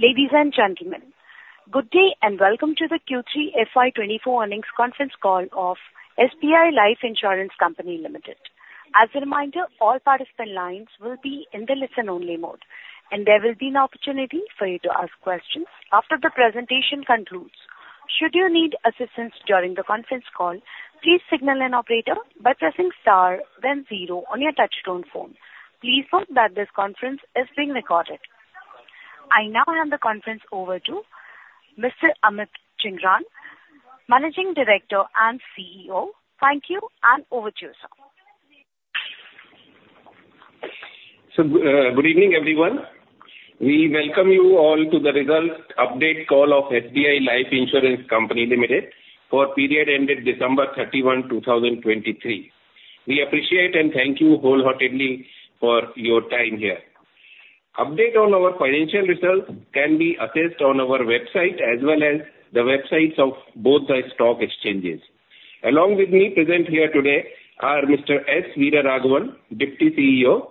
Ladies and gentlemen, good day, and welcome to the Q3 FY 2024 earnings conference call of SBI Life Insurance Company Limited. As a reminder, all participant lines will be in the listen-only mode, and there will be an opportunity for you to ask questions after the presentation concludes. Should you need assistance during the conference call, please signal an operator by pressing star then zero on your touchtone phone. Please note that this conference is being recorded. I now hand the conference over to Mr. Amit Jhingran, Managing Director and CEO. Thank you, and over to you, sir. Good evening, everyone. We welcome you all to the results update call of SBI Life Insurance Company Limited for period ended December 31, 2023. We appreciate and thank you wholeheartedly for your time here. Update on our financial results can be accessed on our website as well as the websites of both the stock exchanges. Along with me, present here today are Mr. S. Veeraraghavan, Deputy CEO,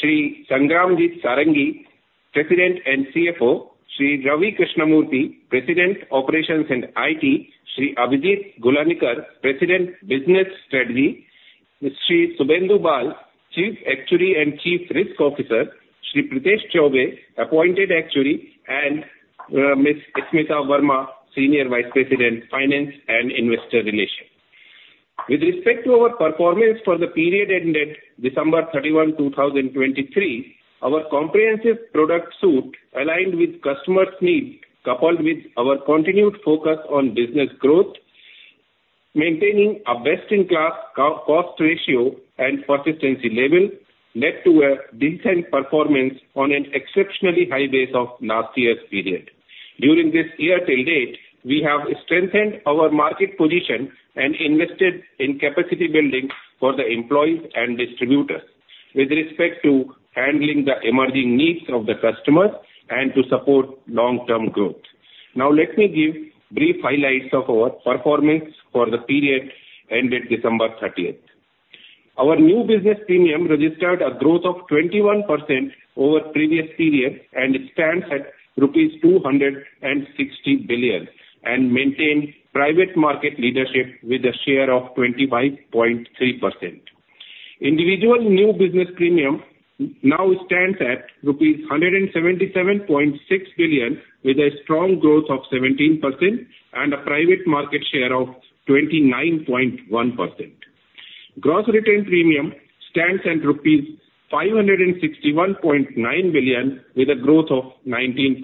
Shri Sangramjit Sarangi, President and CFO, Shri Ravi Krishnamurthy, President, Operations and IT, Shri Abhijit Gulanikar, President, Business Strategy, Shri Subhendu Bal, Chief Actuary and Chief Risk Officer, Shri Pritesh Chaubey, Appointed Actuary, and, Ms. Smita Verma, Senior Vice President, Finance and Investor Relations. With respect to our performance for the period ended December 31, 2023, our comprehensive product suite, aligned with customers' needs, coupled with our continued focus on business growth, maintaining a best-in-class total cost ratio and persistency level, led to a decent performance on an exceptionally high base of last year's period. During this year-to-date, we have strengthened our market position and invested in capacity building for the employees and distributors with respect to handling the emerging needs of the customer and to support long-term growth. Now, let me give brief highlights of our performance for the period ended December 31. Our new business premium registered a growth of 21% over previous period, and it stands at rupees 260 billion and maintain private market leadership with a share of 25.3%. Individual new business premium now stands at INR 177.6 billion, with a strong growth of 17% and a private market share of 29.1%. Gross retained premium stands at rupees 561.9 billion, with a growth of 19%.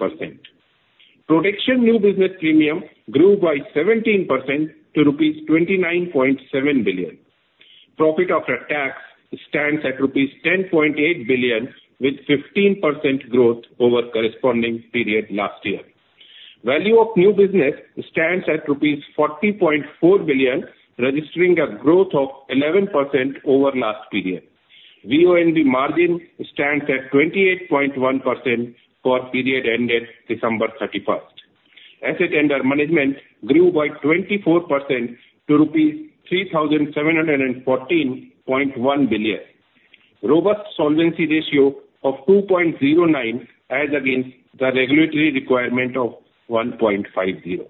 Protection new business premium grew by 17% to rupees 29.7 billion. Profit after tax stands at rupees 10.8 billion, with 15% growth over corresponding period last year. Value of new business stands at rupees 40.4 billion, registering a growth of 11% over last period. VONB margin stands at 28.1% for period ended December thirty-first. Asset under management grew by 24% to rupees 3,714.1 billion. Robust solvency ratio of 2.09, as against the regulatory requirement of 1.50.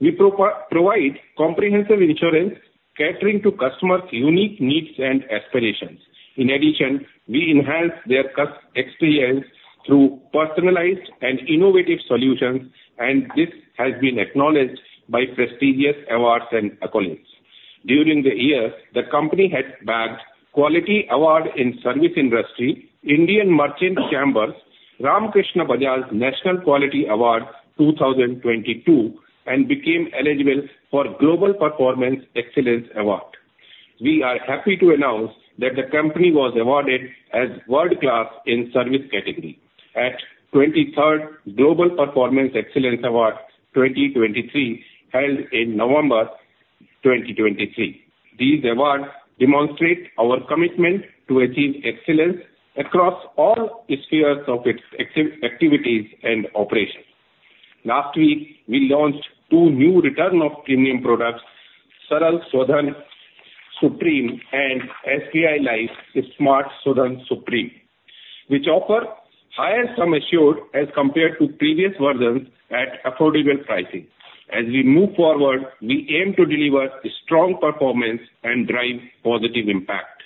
We provide comprehensive insurance, catering to customers' unique needs and aspirations. In addition, we enhance their customer experience through personalized and innovative solutions, and this has been acknowledged by prestigious awards and accolades. During the year, the company had bagged Quality Award in Service Industry, Indian Merchants' Chamber, Ramkrishna Bajaj National Quality Award 2022, and became eligible for Global Performance Excellence Award. We are happy to announce that the company was awarded as World Class in Service category at 23rd Global Performance Excellence Award 2023, held in November 2023. These awards demonstrate our commitment to achieve excellence across all spheres of its activities and operations. Last week, we launched two new return of premium products, Saral Swadhan Supreme and SBI Life Smart Swadhan Supreme, which offer higher sum assured as compared to previous versions at affordable pricing. As we move forward, we aim to deliver strong performance and drive positive impact.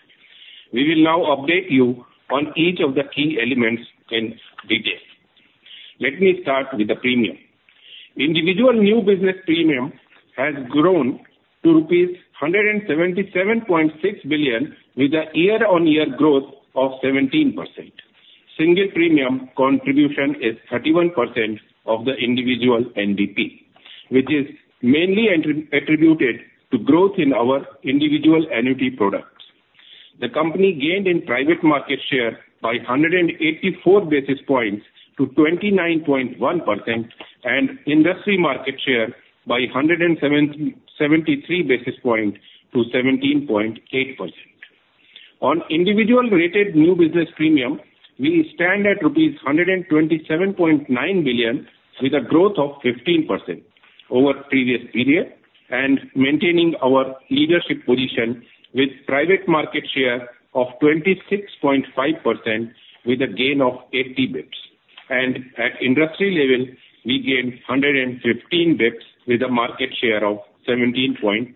We will now update you on each of the key elements in detail. Let me start with the premium. Individual new business premium has grown to rupees 177.6 billion, with a year-on-year growth of 17%. Single premium contribution is 31% of the individual NBP, which is mainly attributed to growth in our individual annuity products. The company gained in private market share by 184 basis points to 29.1% and industry market share by 173 basis points to 17.8%. On individual rated new business premium, we stand at rupees 127.9 billion, with a growth of 15% over previous period, and maintaining our leadership position with private market share of 26.5%, with a gain of 80 basis points. At industry level, we gained 115 basis points, with a market share of 17.9%.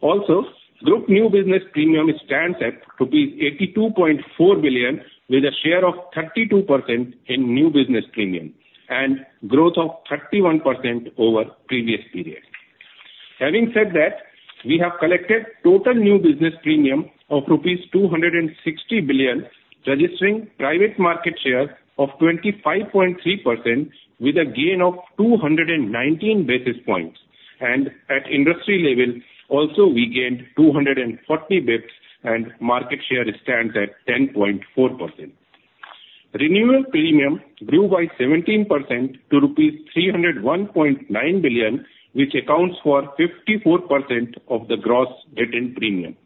Also, group new business premium stands at INR 82.4 billion, with a share of 32% in new business premium and growth of 31% over previous period. Having said that, we have collected total new business premium of rupees 260 billion, registering private market share of 25.3%, with a gain of 219 basis points. At industry level, also we gained 240 basis points, and market share stands at 10.4%. Renewal premium grew by 17% to rupees 301.9 billion, which accounts for 54% of the gross written premium.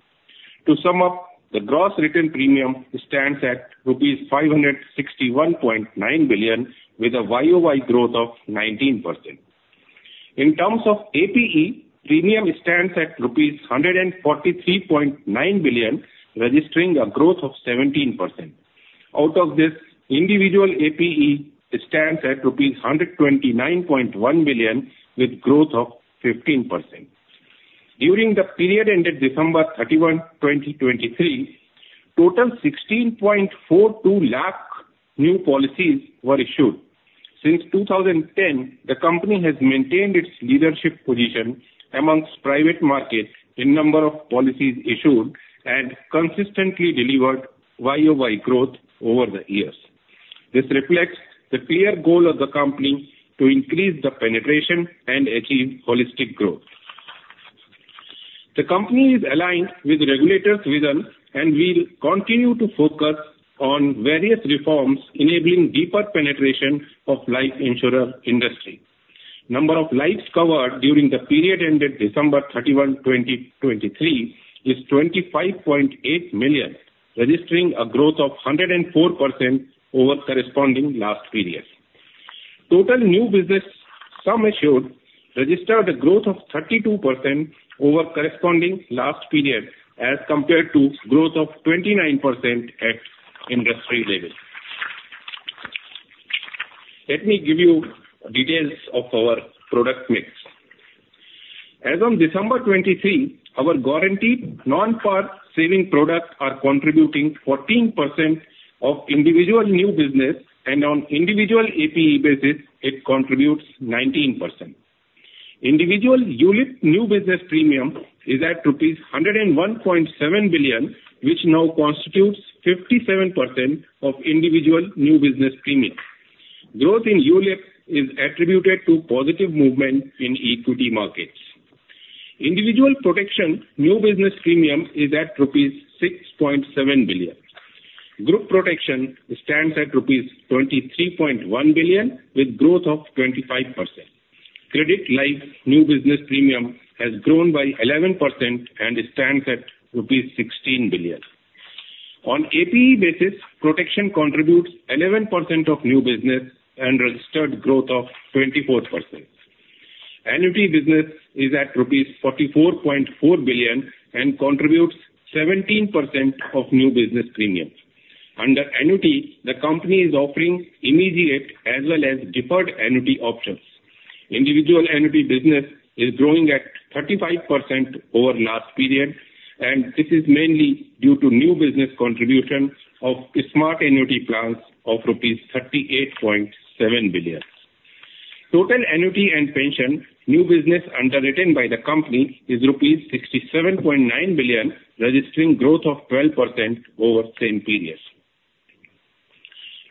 To sum up, the gross written premium stands at rupees 561.9 billion, with a YOY growth of 19%. In terms of APE, premium stands at rupees 143.9 billion, registering a growth of 17%. Out of this, individual APE stands at rupees 129.1 billion, with growth of 15%. During the period ended December 31, 2023, total 16.42 lakh new policies were issued. Since 2010, the company has maintained its leadership position amongst private markets in number of policies issued and consistently delivered YOY growth over the years. This reflects the clear goal of the company to increase the penetration and achieve holistic growth. The company is aligned with regulators' vision, and we'll continue to focus on various reforms enabling deeper penetration of life insurer industry. Number of lives covered during the period ended December 31, 2023, is 25.8 million, registering a growth of 104% over corresponding last period. Total new business sum assured registered a growth of 32% over corresponding last period, as compared to growth of 29% at industry level. Let me give you details of our product mix. As on December 2023, our guaranteed non-par saving products are contributing 14% of individual new business, and on individual APE basis, it contributes 19%. Individual ULIP new business premium is at rupees 101.7 billion, which now constitutes 57% of individual new business premium. Growth in ULIP is attributed to positive movement in equity markets. Individual protection new business premium is at rupees 6.7 billion. Group protection stands at rupees 23.1 billion, with growth of 25%. Credit Life new business premium has grown by 11% and stands at rupees 16 billion. On APE basis, protection contributes 11% of new business and registered growth of 24%. Annuity business is at 44.4 billion rupees and contributes 17% of new business premium. Under annuity, the company is offering immediate as well as deferred annuity options. Individual annuity business is growing at 35% over last period, and this is mainly due to new business contribution of smart annuity plans of rupees 38.7 billion. Total annuity and pension new business underwritten by the company is rupees 67.9 billion, registering growth of 12% over same period.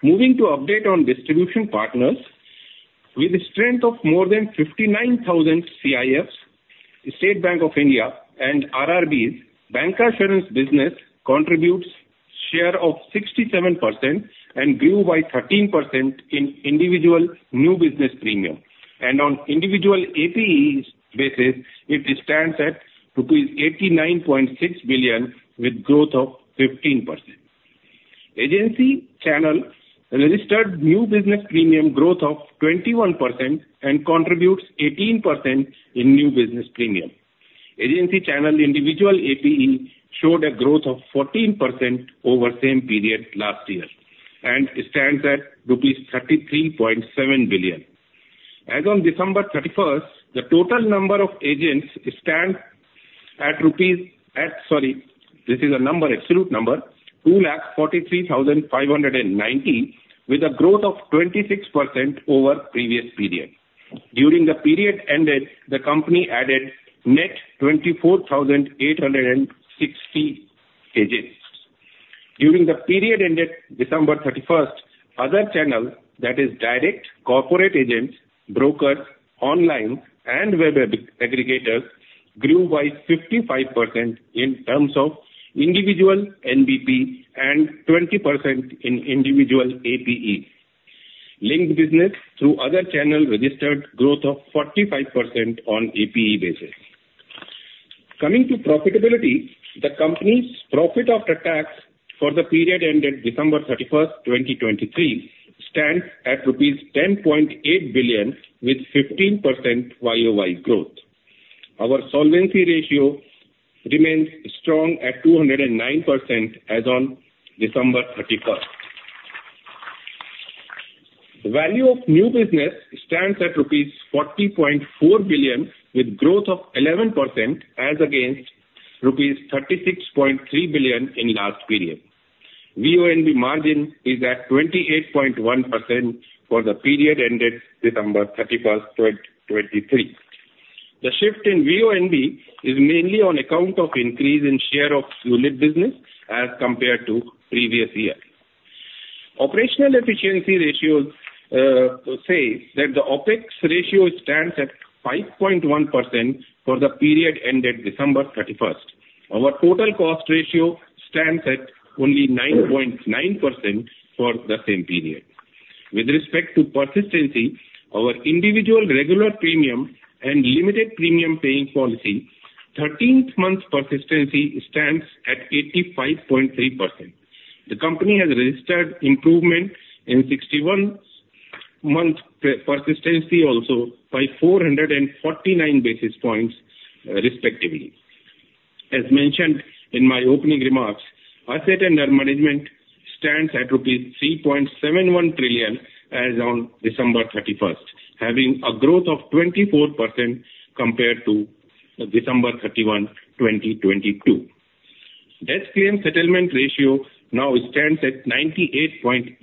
Moving to update on distribution partners. With a strength of more than 59,000 CIFs, State Bank of India and RRBs, bancassurance business contributes share of 67% and grew by 13% in individual new business premium. On individual APEs basis, it stands at rupees 89.6 billion with growth of 15%. Agency channel registered new business premium growth of 21% and contributes 18% in new business premium. Agency channel individual APE showed a growth of 14% over same period last year, and it stands at rupees 33.7 billion. As on December 31, the total number of agents stands at 243,590, with a growth of 26% over previous period. During the period ended, the company added net 24,860 agents. During the period ended December 31, other channel, that is direct corporate agents, brokers, online and web aggregators, grew by 55% in terms of individual NBP and 20% in individual APE. Linked business through other channel registered growth of 45% on APE basis. Coming to profitability, the company's profit after tax for the period ended December 31, 2023, stands at rupees 10.8 billion, with 15% YOY growth. Our solvency ratio remains strong at 209% as on December 31. The value of new business stands at rupees 40.4 billion, with growth of 11% as against rupees 36.3 billion in last period. VONB margin is at 28.1% for the period ended December 31, 2023. The shift in VONB is mainly on account of increase in share of unit business as compared to previous year. Operational efficiency ratios say that the OpEx ratio stands at 5.1% for the period ended December 31. Our total cost ratio stands at only 9.9% for the same period. With respect to persistency, our individual regular premium and limited premium paying policy, 13th month persistency stands at 85.3%. The company has registered improvement in 61-month persistency also, by 449 basis points, respectively. As mentioned in my opening remarks, asset under management stands at rupees 3.71 trillion as on December 31, having a growth of 24% compared to December 31, 2022. That claim settlement ratio now stands at 98.8%.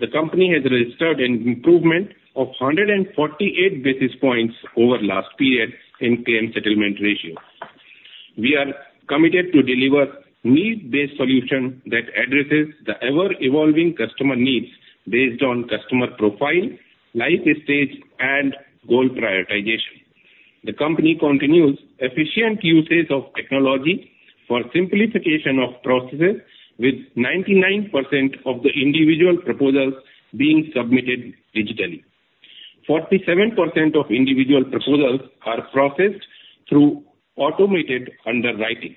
The company has registered an improvement of 148 basis points over last period in claim settlement ratio. We are committed to deliver need-based solution that addresses the ever-evolving customer needs based on customer profile, life stage, and goal prioritization. The company continues efficient usage of technology for simplification of processes, with 99% of the individual proposals being submitted digitally. 47% of individual proposals are processed through automated underwriting.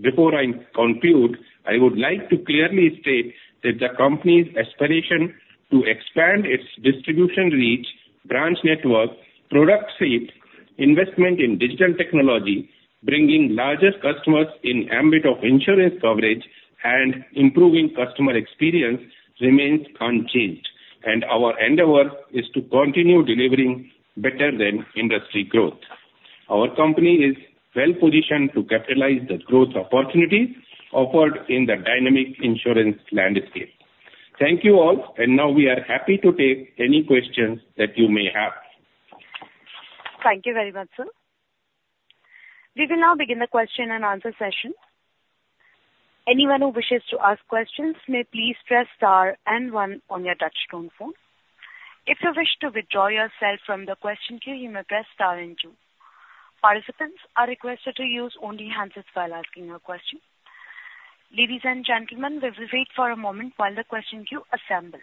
Before I conclude, I would like to clearly state that the company's aspiration to expand its distribution reach, branch network, product suite, investment in digital technology, bringing larger customers in ambit of insurance coverage, and improving customer experience, remains unchanged, and our endeavor is to continue delivering better than industry growth. Our company is well positioned to capitalize the growth opportunities offered in the dynamic insurance landscape. Thank you all, and now we are happy to take any questions that you may have. Thank you very much, sir. We will now begin the question and answer session. Anyone who wishes to ask questions may please press star and one on your touchtone phone. If you wish to withdraw yourself from the question queue, you may press star and two. Participants are requested to use only handset while asking a question. Ladies and gentlemen, we will wait for a moment while the question queue assembles.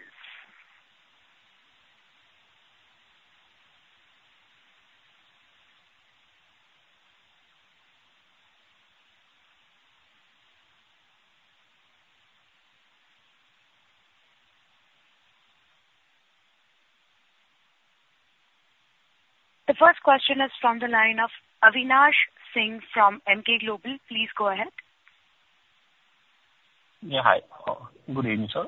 The first question is from the line of Avinash Singh from Emkay Global. Please go ahead. Yeah. Hi. Good evening, sir.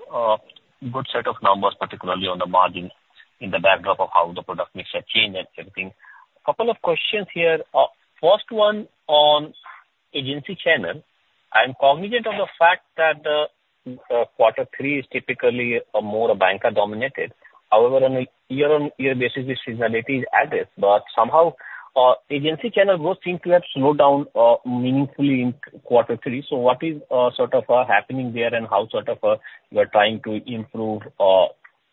Good set of numbers, particularly on the margins, in the backdrop of how the product mixture changed and everything. A couple of questions here. First one on agency channel. I'm cognizant of the fact that quarter three is typically a more Banca-dominated. However, on a year-on-year basis, the seasonality is added, but somehow agency channel growth seems to have slowed down meaningfully in quarter three. So what is sort of happening there, and how sort of you are trying to improve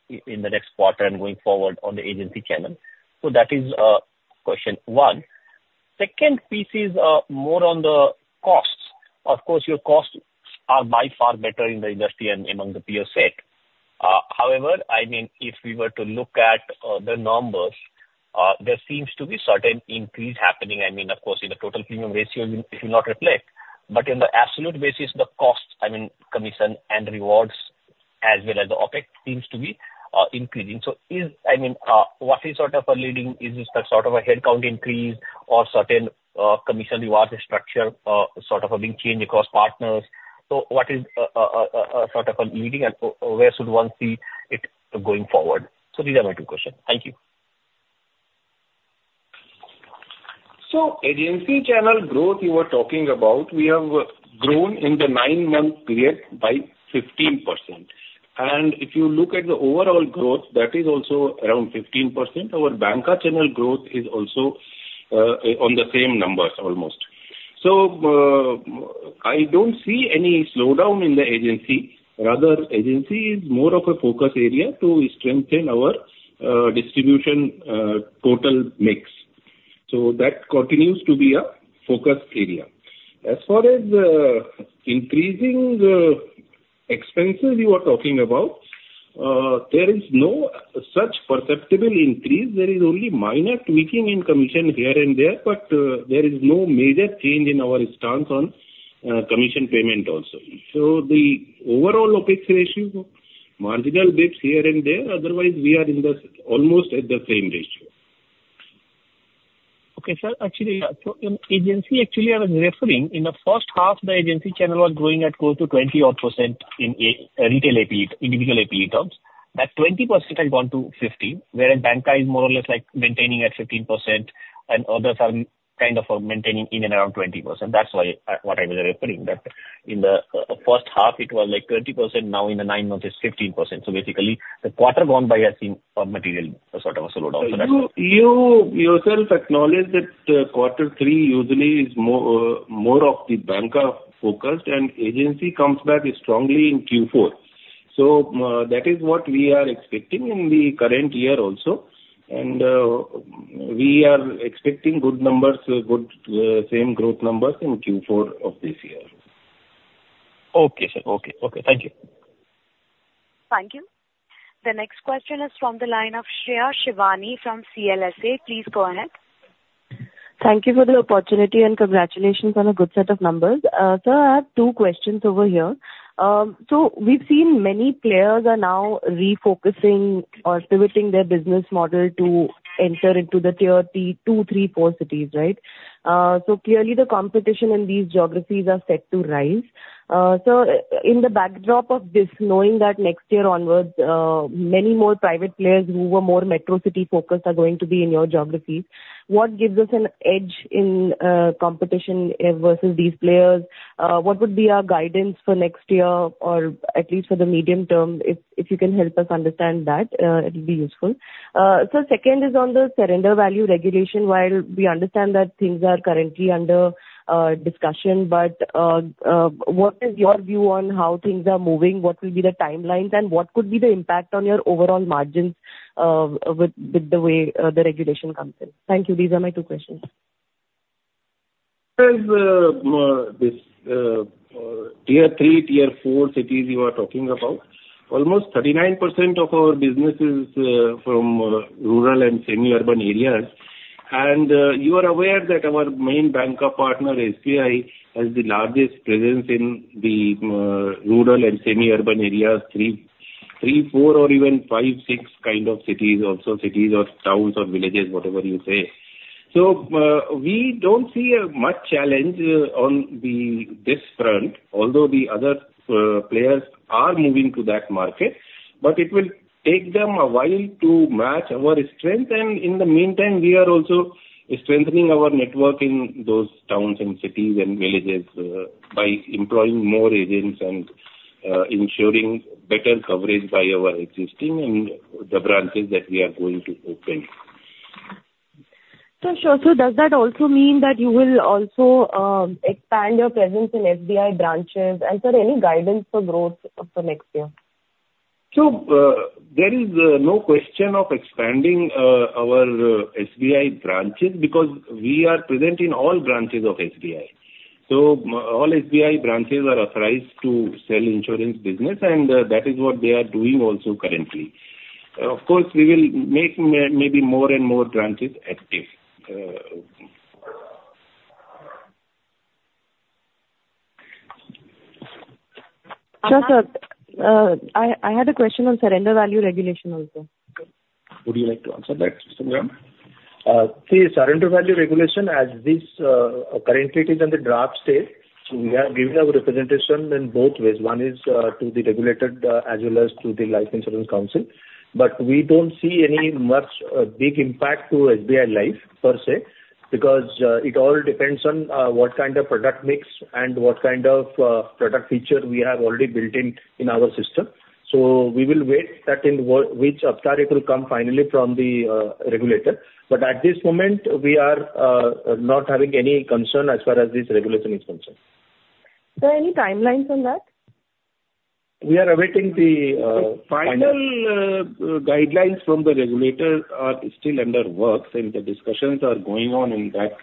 in the next quarter and going forward on the agency channel? So that is question one. Second piece is more on the costs. Of course, your costs are by far better in the industry and among the peer set. However, I mean, if we were to look at the numbers, there seems to be certain increase happening. I mean, of course, in the total premium ratio, it will not reflect, but in the absolute basis, the costs, I mean, commission and rewards, as well as the OpEx, seems to be increasing. So I mean, what is sort of a leading? Is it a sort of a headcount increase or certain commission reward structure sort of being changed across partners? So what is sort of leading, and where should one see it going forward? So these are my two questions. Thank you. So agency channel growth you are talking about, we have grown in the nine-month period by 15%. And if you look at the overall growth, that is also around 15%. Our Banca channel growth is also on the same numbers, almost. So I don't see any slowdown in the agency. Rather, agency is more of a focus area to strengthen our distribution total mix. So that continues to be a focus area. As far as increasing the expenses you are talking about, there is no such perceptible increase. There is only minor tweaking in commission here and there, but there is no major change in our stance on commission payment also. So the overall OpEx ratio, marginal bits here and there, otherwise we are almost at the same ratio. Okay, sir. Actually, yeah, so in agency, actually, I was referring, in the first half, the agency channel was growing at close to 20-odd% in a retail APE, individual APE terms. That 20% has gone to 15%, whereas banca is more or less like maintaining at 15% and others are kind of maintaining in and around 20%. That's why what I was referring that in the first half, it was like 20%, now in the nine months, it's 15%. So basically, the quarter gone by has been a material sort of a slowdown. You, you yourself acknowledge that quarter three usually is more, more of the banca-focused, and agency comes back strongly in Q4. So, that is what we are expecting in the current year also. And, we are expecting good numbers, good, same growth numbers in Q4 of this year. Okay, sir. Okay. Okay, thank you. Thank you. The next question is from the line of Shreya Shivani from CLSA. Please go ahead. Thank you for the opportunity, and congratulations on a good set of numbers. Sir, I have two questions over here. So we've seen many players are now refocusing or pivoting their business model to enter into the Tier 2, 3, 4 cities, right? So clearly the competition in these geographies are set to rise. So in the backdrop of this, knowing that next year onwards, many more private players who were more metro city focused are going to be in your geographies, what gives us an edge in, competition, versus these players? What would be our guidance for next year or at least for the medium term, if you can help us understand that, it'll be useful. Sir, second is on the surrender value regulation. While we understand that things are currently under discussion, but what is your view on how things are moving? What will be the timelines, and what could be the impact on your overall margins, with the way the regulation comes in? Thank you. These are my two questions. This Tier 3, Tier 4 cities you are talking about, almost 39% of our business is from rural and semi-urban areas. You are aware that our main Banca partner, SBI, has the largest presence in the rural and semi-urban areas, Tier 3, Tier 4 or even Tier 5, Tier 6 kind of cities, also cities or towns or villages, whatever you say. We don't see much challenge on this front, although the other players are moving to that market. It will take them a while to match our strength, and in the meantime, we are also strengthening our network in those towns and cities and villages by employing more agents and ensuring better coverage by our existing and the branches that we are going to open. So sure. So does that also mean that you will also expand your presence in SBI branches, and sir, any guidance for growth for next year? There is no question of expanding our SBI branches, because we are present in all branches of SBI. All SBI branches are authorized to sell insurance business, and that is what they are doing also currently. Of course, we will make maybe more and more branches active. Sure, sir. I had a question on Surrender Value regulation also. Would you like to answer that, uncertain? See, surrender value regulation as this, currently it is in the draft stage, so we have given our representation in both ways. One is, to the regulator, as well as to the Life Insurance Council. But we don't see any much, big impact to SBI Life, per se, because, it all depends on, what kind of product mix and what kind of, product feature we have already built in, in our system. So we will wait that in which after it will come finally from the regulator. But at this moment, we are, not having any concern as far as this regulation is concerned. Sir, any timelines on that? We are awaiting the final guidelines from the regulator that are still under work, and the discussions are going on in that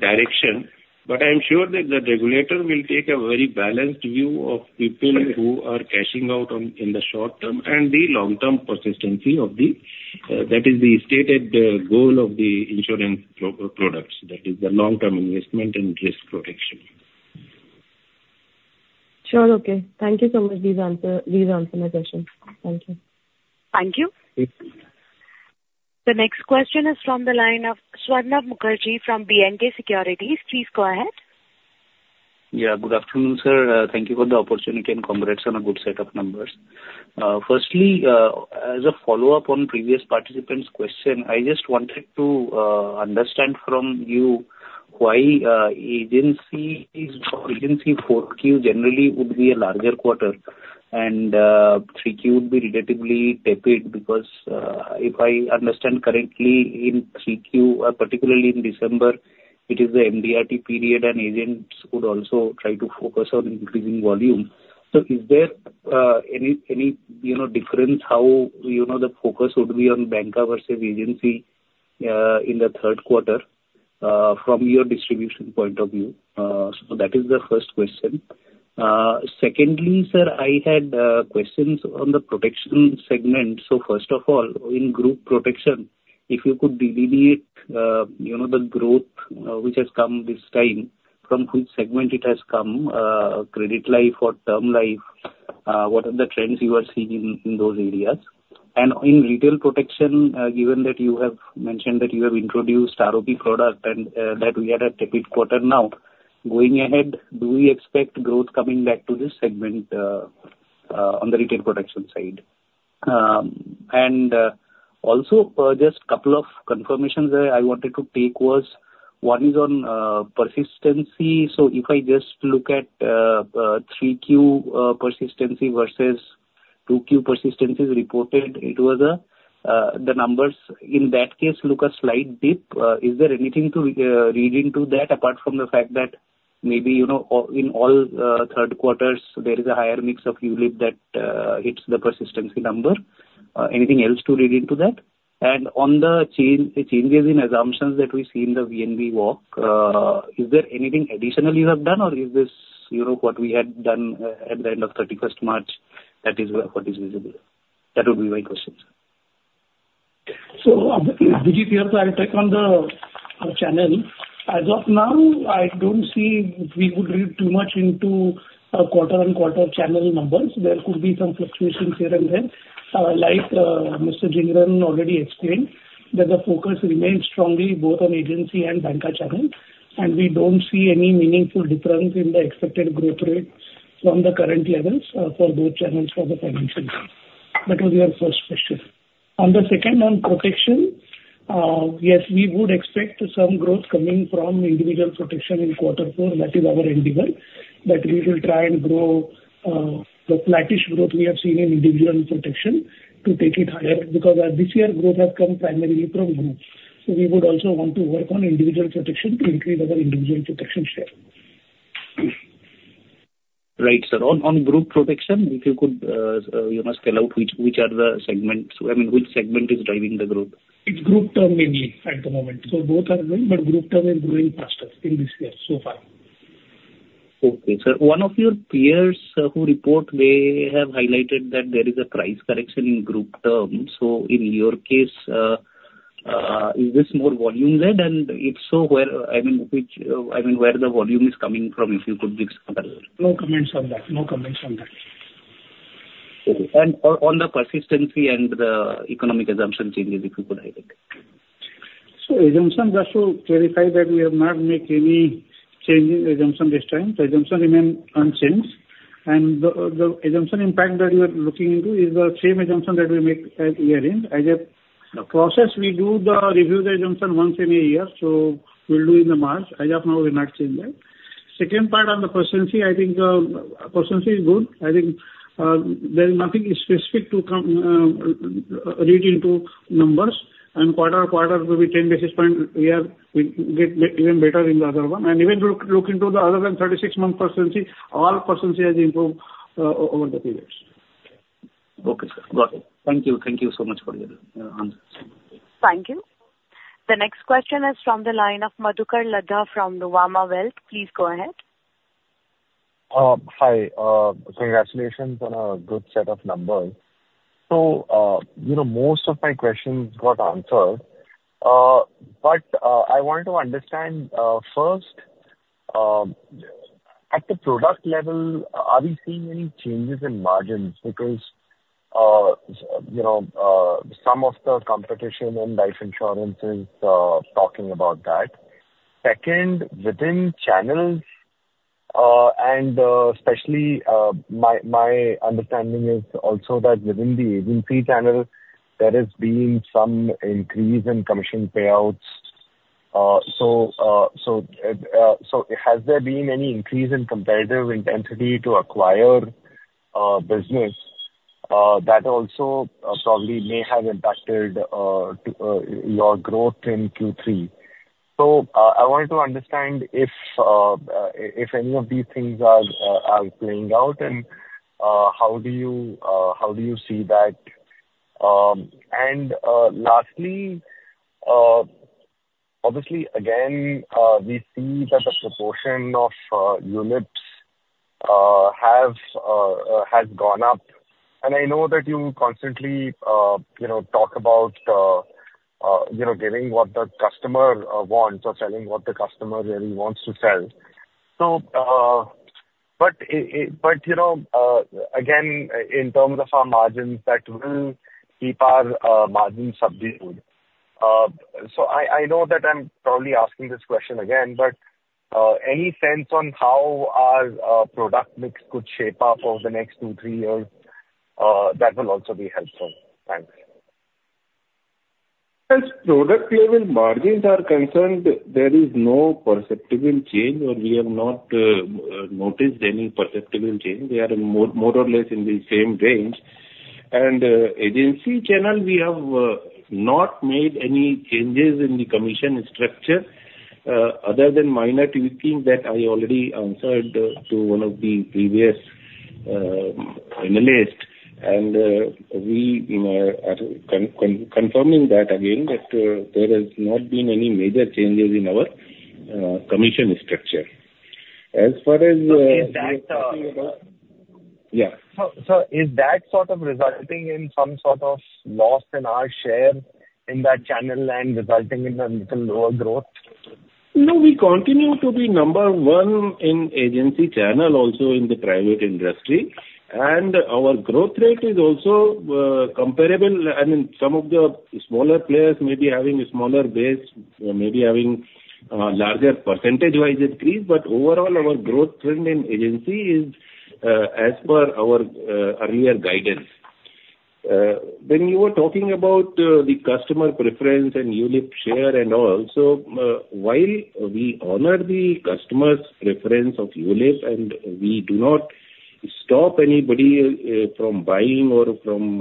direction. But I'm sure that the regulator will take a very balanced view of people who are cashing out in the short term and the long-term persistency of that. That is the stated goal of the insurance products. That is the long-term investment and risk protection. Sure, okay. Thank you so much. These answer, these answer my questions. Thank you. Thank you. Thank you. The next question is from the line of Swarna Mukherjee from B&K Securities. Please go ahead. Yeah, good afternoon, sir. Thank you for the opportunity, and congrats on a good set of numbers. Firstly, as a follow-up on previous participant's question, I just wanted to understand from you why agency Q4 generally would be a larger quarter, and Q3 would be relatively tepid, because if I understand correctly, in Q3, particularly in December, it is the MDRT period, and agents would also try to focus on increasing volume. So is there any, you know, difference how, you know, the focus would be on banca versus agency in the third quarter? ... from your distribution point of view? So that is the first question. Secondly, sir, I had questions on the protection segment. So first of all, in group protection, if you could delineate, you know, the growth, which has come this time, from which segment it has come, credit life or term life, what are the trends you are seeing in, in those areas? And in retail protection, given that you have mentioned that you have introduced ROP product and, that we are at peak quarter now, going ahead, do we expect growth coming back to this segment, on the retail protection side? And, also, just couple of confirmations that I wanted to take was, one is on, persistency. So if I just look at, 3Q persistency versus 2Q persistency reported, it was, the numbers in that case look a slight dip. Is there anything to read into that, apart from the fact that maybe, you know, in all third quarters, there is a higher mix of ULIP that hits the persistency number? Anything else to read into that? And on the change, the changes in assumptions that we see in the VNB walk, is there anything additional you have done, or is this, you know, what we had done at the end of 31st March, that is what is visible? That would be my questions. Abhijit here. So I'll take on the channel. As of now, I don't see we would read too much into a quarter-on-quarter channel numbers. There could be some fluctuations here and there. Like, Mr. Jhingran already explained, that the focus remains strongly both on agency and Banca channel, and we don't see any meaningful difference in the expected growth rate from the current levels for both channels for the financial year. That was your first question. On the second, on protection, yes, we would expect some growth coming from individual protection in quarter four. That is our endeavor, that we will try and grow the flattish growth we have seen in individual protection to take it higher, because this year growth has come primarily from ULIPs. We would also want to work on individual protection to increase our individual protection share. Right, sir. On group protection, if you could, you must spell out which are the segments, I mean, which segment is driving the growth? It's Group Term mainly at the moment. So both are growing, but Group Term is growing faster in this year so far. Okay. Sir, one of your peers who report, they have highlighted that there is a price correction in Group Term. So in your case, is this more volume-led? And if so, where, I mean, which, I mean, where the volume is coming from, if you could please comment. No comments on that. No comments on that. Okay. And on the persistency and the economic assumption changes, if you could highlight. So, assumption, just to clarify that we have not make any changes in assumption this time. The assumption remain unchanged, and the the assumption impact that you are looking into is the same assumption that we make at year-end. As a process, we do the review the assumption once a year, so we'll do in the March. As of now, we've not changed that. Second part on the persistency, I think, persistency is good. I think, there is nothing specific to read into numbers, and quarter-to-quarter will be 10 basis points. We get even better than the other one. And even look into the other than 36-month persistency, all persistency has improved, over the periods. Okay, sir. Got it. Thank you. Thank you so much for your answers. Thank you. The next question is from the line of Madhukar Ladha from Nuvama Wealth Management. Please go ahead. Hi. Congratulations on a good set of numbers. So, you know, most of my questions got answered, but I want to understand, first, at the product level, are we seeing any changes in margins? Because, you know, some of the competition in life insurance is talking about that. Second, within channels, and especially, my understanding is also that within the agency channel, there has been some increase in commission payouts. So, has there been any increase in competitive intensity to acquire business, that also probably may have impacted your growth in Q3? So, I wanted to understand if any of these things are playing out, and how do you see that? And, lastly, obviously, again, we see that the proportion of ULIPs has gone up. And I know that you constantly, you know, talk about, you know, giving what the customer wants or selling what the customer really wants to sell. So, but, you know, again, in terms of our margins, that will keep our margins subdued. So I know that I'm probably asking this question again, but, any sense on how our product mix could shape up over the next 2-3 years? That will also be helpful. Thanks. As product level margins are concerned, there is no perceptible change, or we have not noticed any perceptible change. We are more or less in the same range. And agency channel, we have not made any changes in the commission structure, other than minor tweaking that I already answered to one of the previous analyst, and we, you know, are confirming that again, that there has not been any major changes in our commission structure. As far as, So is that, Yeah. So, is that sort of resulting in some sort of loss in our share in that channel and resulting in a little lower growth? No, we continue to be number one in agency channel, also in the private industry. And our growth rate is also comparable. I mean, some of the smaller players may be having a smaller base or may be having larger percentage-wise increase, but overall, our growth trend in agency is as per our earlier guidance. When you were talking about the customer preference and ULIP share and all, so while we honor the customer's preference of ULIP and we do not stop anybody from buying or from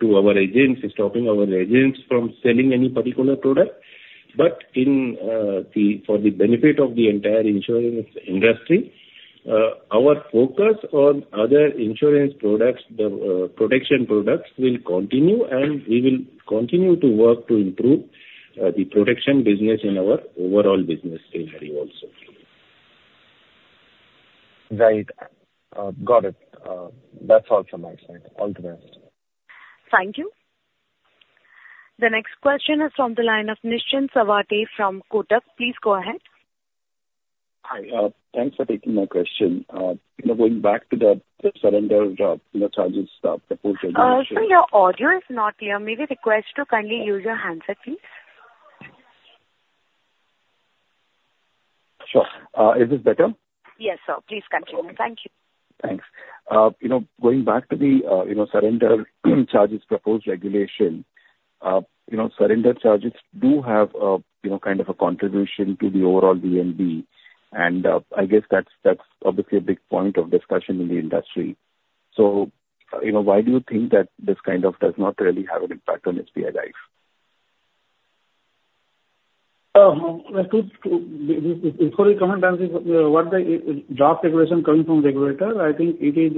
to our agents stopping our agents from selling any particular product, but in the, for the benefit of the entire insurance industry, our focus on other insurance products, the protection products, will continue, and we will continue to work to improve the protection business in our overall business treasury also. Right. Got it. That's all from my side. All the best. Thank you. The next question is from the line of Nischint Chawathe from Kotak. Please go ahead. Hi. Thanks for taking my question. You know, going back to the surrender, you know, charges, proposed- Sir, your audio is not clear. May we request to kindly use your handset, please? Sure. Is this better? Yes, sir. Please continue. Thank you. Thanks. You know, going back to the surrender charges proposed regulation, you know, surrender charges do have a, you know, kind of a contribution to the overall VNB, and I guess that's obviously a big point of discussion in the industry. So, you know, why do you think that this kind of does not really have an impact on SBI Life? Before we comment on the draft regulation coming from regulator, I think it is...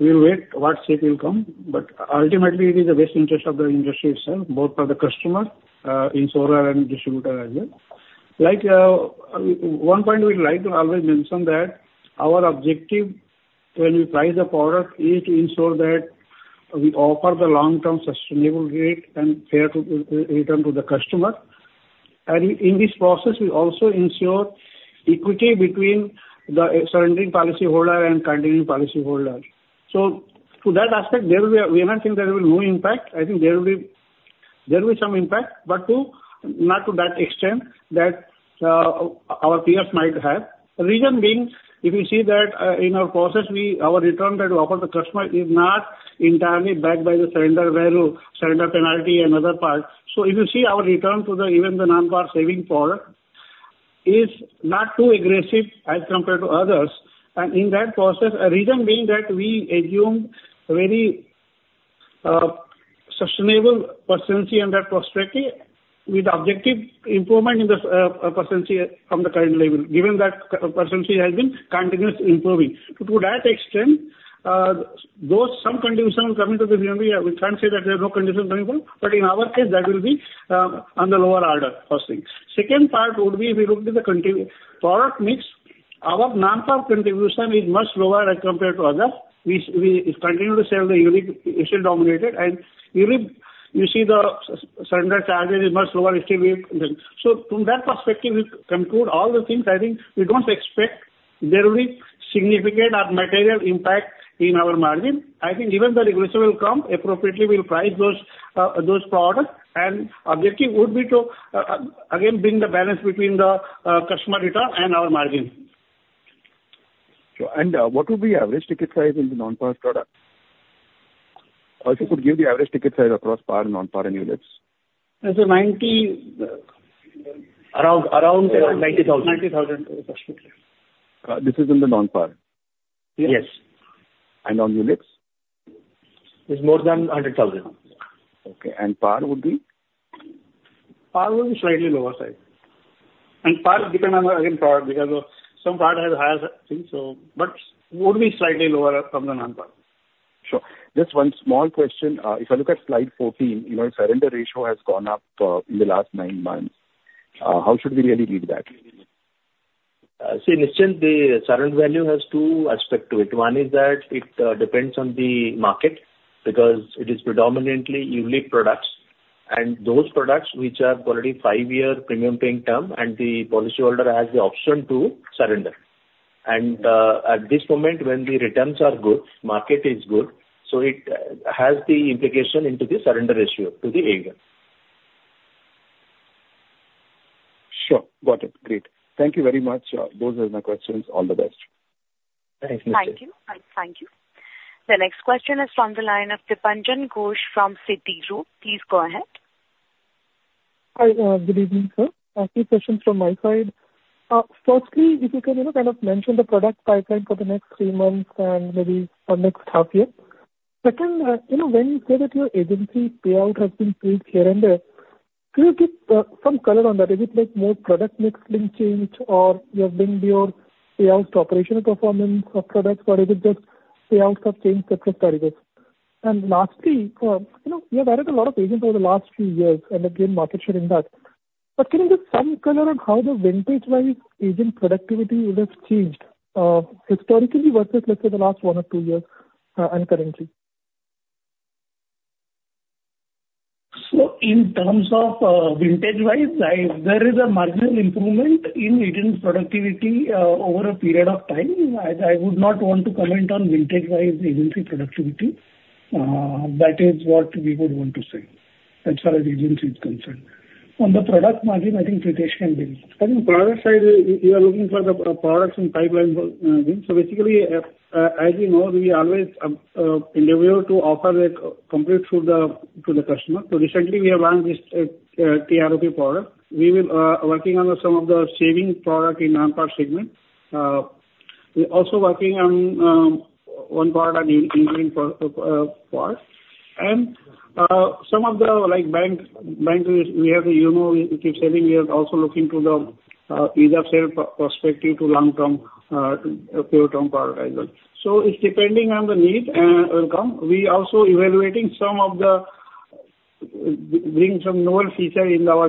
We'll wait, what shape it will come, but ultimately it is in the best interest of the industry itself, both for the customer, insurer, and distributor as well. Like, one point we would like to always mention that our objective when we price a product is to ensure that we offer the long-term sustainable rate and fair to return to the customer. And in this process, we also ensure equity between the surrendering policyholder and continuing policyholder. So to that aspect, there will be - we are not saying there will be no impact. I think there will be, there will be some impact, but not to that extent that our peers might have. The reason being, if you see that, in our process, we, our return that we offer the customer is not entirely backed by the surrender value, surrender penalty and other parts. So if you see our return to the, even the non-par savings product, is not too aggressive as compared to others. And in that process, a reason being that we assume very sustainable persistency and that perspective, with objective improvement in the persistency from the current level, given that persistency has been continuously improving. To that extent, those some condition will come into the picture, we can't say that there are no conditions coming through, but in our case, that will be on the lower order, first thing. Second part would be, if you look to the current product mix, our non-par contribution is much lower as compared to others. We continue to sell the unit linked dominated, and ULIP. You see the surrender charges is much lower than. So from that perspective, we conclude all the things. I think we don't expect there will be significant or material impact in our margin. I think even the regulation will come, appropriately, we'll price those products. And objective would be to again bring the balance between the customer return and our margin. Sure. And, what would be average ticket price in the Non-Par product? Or if you could give the average ticket price across Par and Non-Par and ULIPs. It's 90, Around 90,000. 90,000 approximately. This is in the non-par? Yes. On ULIPs? It's more than 100,000. Okay, and Par would be? Par will be slightly lower side. Par depend on, again, product, because some par has higher things, so but would be slightly lower from the non-par. Sure. Just one small question. If I look at slide 14, you know, surrender ratio has gone up in the last 9 months. How should we really read that? See, Nischint, the surrender value has two aspect to it. One is that it depends on the market, because it is predominantly ULIP products and those products which have already 5-year premium paying term, and the policyholder has the option to surrender. At this moment, when the returns are good, market is good, so it has the implication into the surrender ratio to the agent. Sure. Got it. Great. Thank you very much. Those are my questions. All the best. Thanks, Nishchan. Thank you. Thank you. The next question is from the line of Dipanjan Ghosh from Citi. Please go ahead. Hi, good evening, sir. Three questions from my side. Firstly, if you can, you know, kind of mention the product pipeline for the next three months and maybe for next half year? Second, you know, when you say that your agency payout has been freed here and there, can you give some color on that? Is it like more product mix been changed, or you have been your payouts to operational performance of products, or is it just payouts have changed with those targets? And lastly, you know, you've added a lot of agents over the last few years and again, market share in that. But can you give some color on how the vintage-wise agent productivity would have changed, historically versus, let's say, the last one or two years, and currently? So in terms of, vintage-wise, there is a marginal improvement in agent productivity, over a period of time. I would not want to comment on vintage-wise agency productivity. That is what we would want to say as far as agency is concerned. On the product margin, I think Prithesh can give. On the product side, we are looking for the products and pipeline, so basically, as you know, we always endeavor to offer a complete through the, to the customer. So recently we have launched this, TROP product. We were working on some of the savings product in non-par segment. We're also working on, one product in, in, par. Some of the banks we have, you know, keep saying we are also looking to the either sales perspective to long-term pure term product as well. So it's depending on the need, will come. We also evaluating bringing some novel feature in our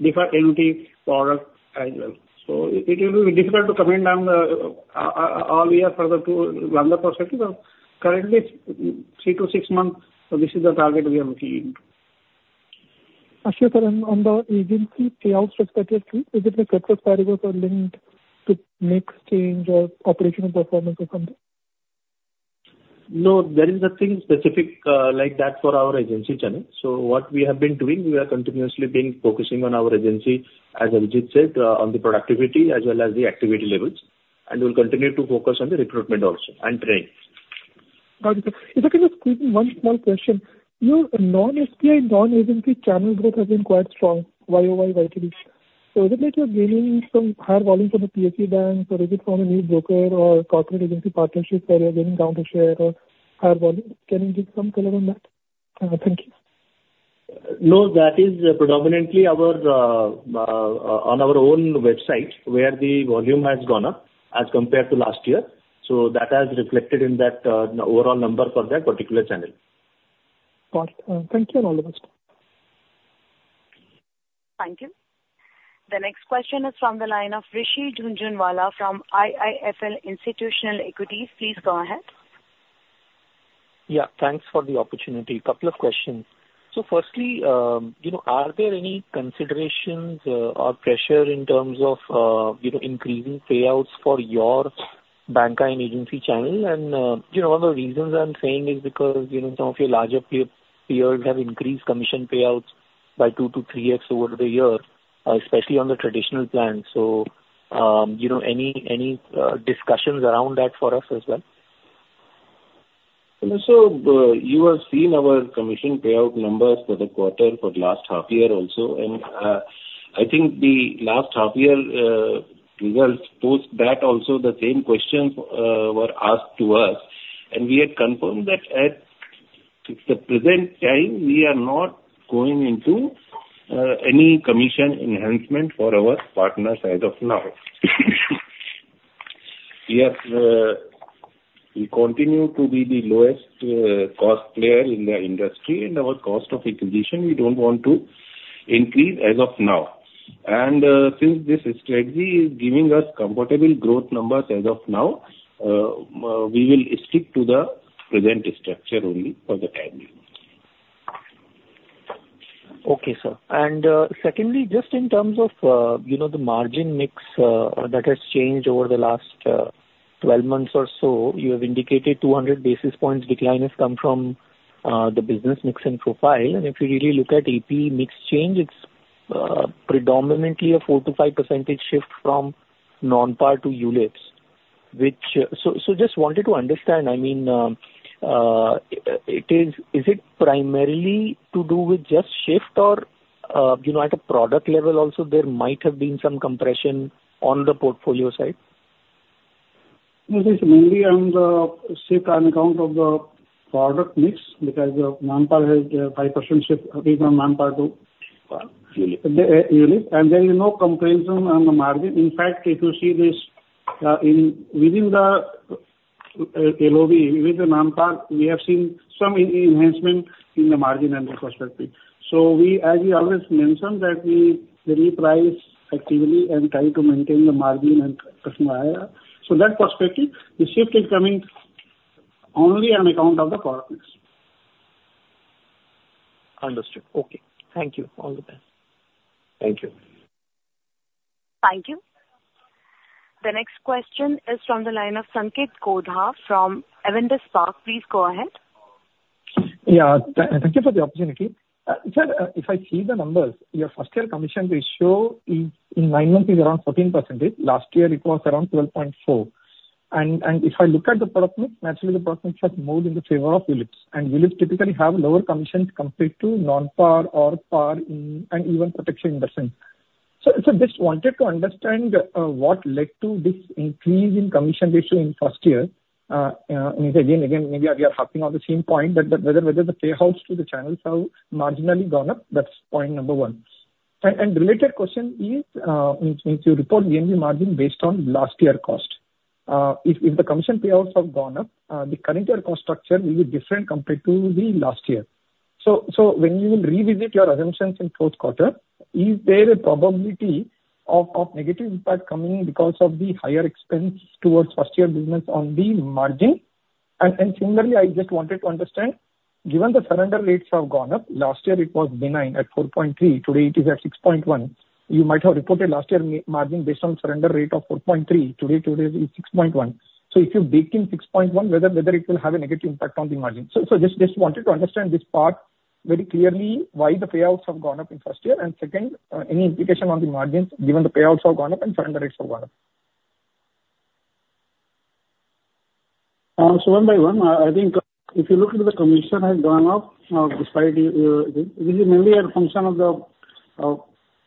different LT product as well. So it will be difficult to comment on the overall year for the two longer perspective. Currently, 3-6 months, so this is the target we are seeing. Amit, sir, on the agency payouts perspective too, is it like factors that are linked to mix change or operational performance or something? No, there is nothing specific, like that for our agency channel. So what we have been doing, we are continuously been focusing on our agency, as Abhijit said, on the productivity as well as the activity levels, and we'll continue to focus on the recruitment also, and training. Got it, sir. If I can just squeeze in one small question. Your non-SBI, non-agency channel growth has been quite strong YOY, YTD. So is it that you're gaining some higher volume from the PSB banks, or is it from a new broker or corporate agency partnerships where you're gaining ground or share or higher volume? Can you give some color on that? Thank you. No, that is predominantly our on our own website, where the volume has gone up as compared to last year. So that has reflected in that overall number for that particular channel. Got it. Thank you and all the best. Thank you. The next question is from the line of Rishi Jhunjhunwala from IIFL Securities. Please go ahead. Yeah, thanks for the opportunity. Couple of questions. So firstly, you know, are there any considerations or pressure in terms of, you know, increasing payouts for your banca and agency channel? And, you know, one of the reasons I'm saying is because, you know, some of your larger peers, peers have increased commission payouts by 2-3x over the year, especially on the traditional plan. So, you know, any, any discussions around that for us as well? So, you have seen our commission payout numbers for the quarter for the last half year also, and I think the last half year results post that also, the same questions were asked to us. And we had confirmed that at the present time, we are not going into any commission enhancement for our partners as of now. We have, we continue to be the lowest cost player in the industry, and our cost of acquisition, we don't want to increase as of now. And since this strategy is giving us comfortable growth numbers as of now, we will stick to the present structure only for the time being. Okay, sir. Secondly, just in terms of, you know, the margin mix, that has changed over the last twelve months or so, you have indicated 200 basis points decline has come from the business mix and profile. If you really look at AP mix change, it's predominantly a 4%-5% shift from non-par to ULIPs, which... So just wanted to understand, I mean, is it primarily to do with just shift or, you know, at a product level also there might have been some compression on the portfolio side? It is mainly on the shift on account of the product mix, because the Non-Par has a 5% shift from Non-Par to- ULIP. ULIP, and there is no compression on the margin. In fact, if you see this, within the VNB, with the non-par, we have seen some enhancement in the margin and the persistency. So we, as we always mention, that we reprice actively and try to maintain the margin and customer. So that perspective, the shift is coming only on account of the product mix. Understood. Okay. Thank you. All the best. Thank you. Thank you. The next question is from the line of Sanket Godha from Avendus Spark. Please go ahead. Yeah, thank you for the opportunity. Sir, if I see the numbers, your first year commission ratio in nine months is around 14%. Last year, it was around 12.4. And if I look at the product mix, naturally, the product mix has moved in the favor of ULIPs, and ULIPs typically have lower commissions compared to non-par or par in, and even protection investment.... So just wanted to understand what led to this increase in commission ratio in first year. And again, maybe we are harping on the same point, but whether the payouts to the channels have marginally gone up, that's point number one. And related question is, if you report VNB margin based on last year cost, if the commission payouts have gone up, the current year cost structure will be different compared to the last year. So when you will revisit your assumptions in fourth quarter, is there a probability of negative impact coming in because of the higher expense towards first year business on the margin? Similarly, I just wanted to understand, given the surrender rates have gone up, last year it was benign at 4.3, today it is at 6.1. You might have reported last year margin based on surrender rate of 4.3, today it is 6.1. So if you bake in 6.1, whether it will have a negative impact on the margin. So just wanted to understand this part very clearly, why the payouts have gone up in first year, and second, any implication on the margins, given the payouts have gone up and surrender rates have gone up. So one by one. I think if you look into the commission has gone up, despite the... This is mainly a function of the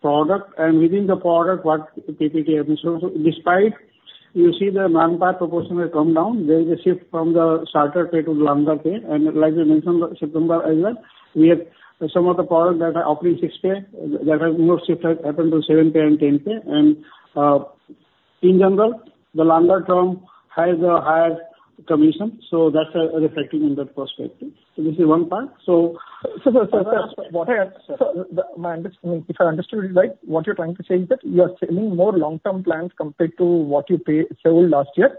product, and within the product, what PPT have been sold. Despite you see the non-par proportionally come down, there is a shift from the shorter pay to the longer pay. And like we mentioned September as well, we have some of the products that are offering 6 pay, that have more shifted into 7 pay and 10 pay. And, in general, the longer term has a higher commission, so that's reflecting in that perspective. So this is one part. So- So, sir, if I understood you right, what you're trying to say is that you are selling more long-term plans compared to what you sold last year.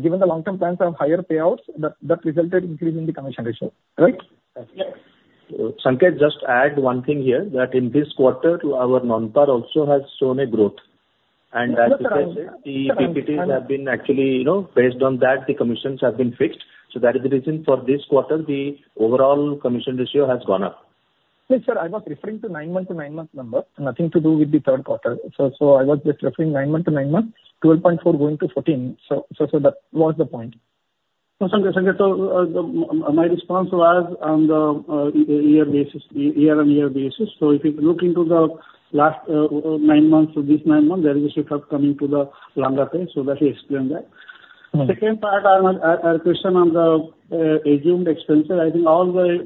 Given the long-term plans have higher payouts, that resulted in increase in the commission ratio, right? Yes. Sanket, just add one thing here, that in this quarter, our non-par also has shown a growth. As you said, the PPTs have been actually, you know, based on that, the commissions have been fixed, so that is the reason for this quarter, the overall commission ratio has gone up. Yes, sir, I was referring to nine-month to nine-month number, nothing to do with the third quarter. So, I was just referring nine-month to nine-month, 12.4 going to 14. So, that was the point. So, Sanket, Sanket, so, my response was on the year basis, year-on-year basis. So if you look into the last nine months to this nine months, there is a shift of coming to the longer pay, so that explains that. Mm-hmm. Second part on question on the assumed expenses, I think all the way,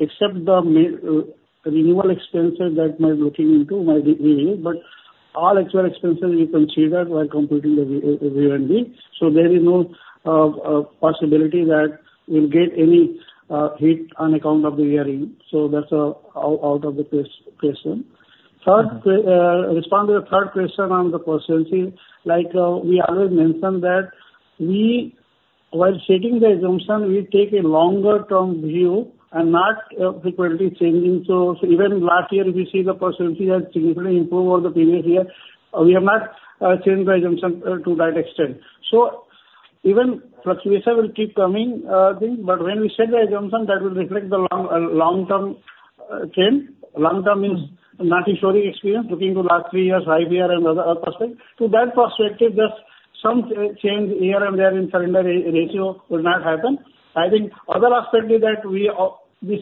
except the renewal expenses that we are looking into might be, but all actual expenses you consider while completing the VNB. So there is no possibility that we'll get any hit on account of the year-end. So that's out of the question. Third, respond to the third question on the persistency. Like, we always mention that we, while setting the assumption, we take a longer-term view and not frequently changing. So even last year, we see the persistency has significantly improved over the previous year. We have not changed the assumption to that extent. So even fluctuation will keep coming, but when we set the assumption, that will reflect the long-term trend. Long-term means not ensuring experience looking to last three years, five years and other aspects. So that perspective, just some change here and there in surrender ratio will not happen. I think other aspect is that we, this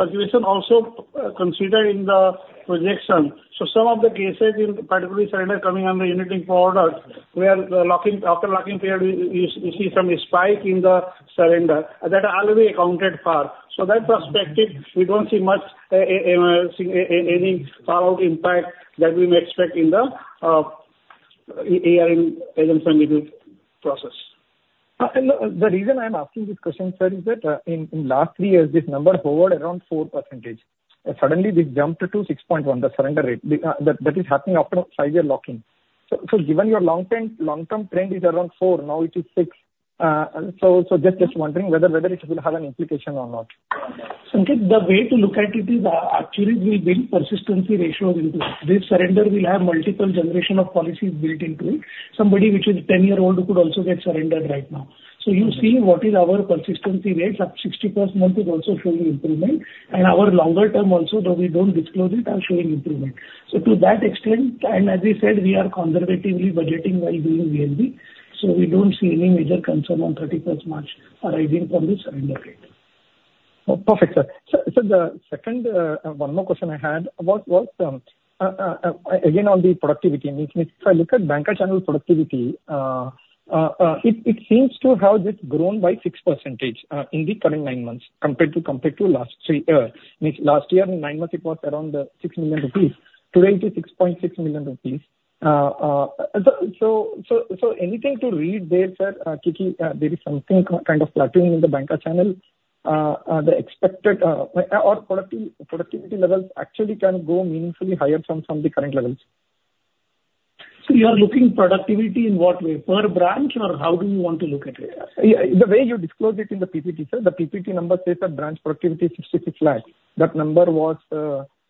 fluctuation also, consider in the projection. So some of the cases in particularly surrender coming on the ULIP products, where the locking, after locking period, we, we see some spike in the surrender. That already accounted for, so that perspective, we don't see much, any follow impact that we may expect in the, year-end agency review process. The reason I'm asking this question, sir, is that in the last three years, this number hovered around 4%. Suddenly, this jumped to 6.1, the surrender rate. That is happening after five-year locking. So given your long-term trend is around 4, now it is 6. So just wondering whether it will have an implication or not. Sanket, the way to look at it is actually the persistency ratio into it. This surrender will have multiple generations of policies built into it. Somebody which is 10-year-old could also get surrendered right now. So you see what is our persistency rates at 60+ months is also showing improvement, and our longer term also, though we don't disclose it, are showing improvement. So to that extent, and as we said, we are conservatively budgeting while doing VNB, so we don't see any major concern on 31 March arising from the surrender rate. Oh, perfect, sir. So, the second, one more question I had about was, again, on the productivity. And if I look at Banca channel productivity, it seems to have just grown by 6%, in the current nine months, compared to, compared to last three years. Means last year, in nine months, it was around, 6 million rupees. Today, it is 6.6 million rupees. So, anything to read there, sir, is it that, there is something kind of flattening in the Banca channel, the expected, or productivity levels actually can go meaningfully higher from, the current levels. So you are looking productivity in what way? Per branch, or how do you want to look at it? Yeah, the way you disclose it in the PPT, sir. The PPT number says that branch productivity is 66 lakhs. That number was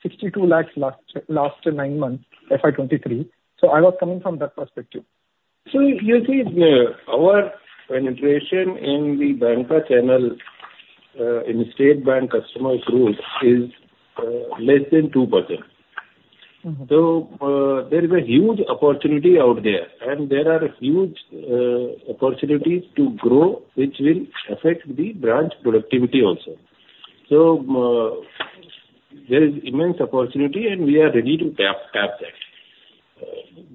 62 lakhs last nine months, FY 2023. So I was coming from that perspective. You see, our penetration in the Banca channel, in State Bank customers group is less than 2%. Mm-hmm. So, there is a huge opportunity out there, and there are huge opportunities to grow, which will affect the branch productivity also. So, there is immense opportunity and we are ready to tap that.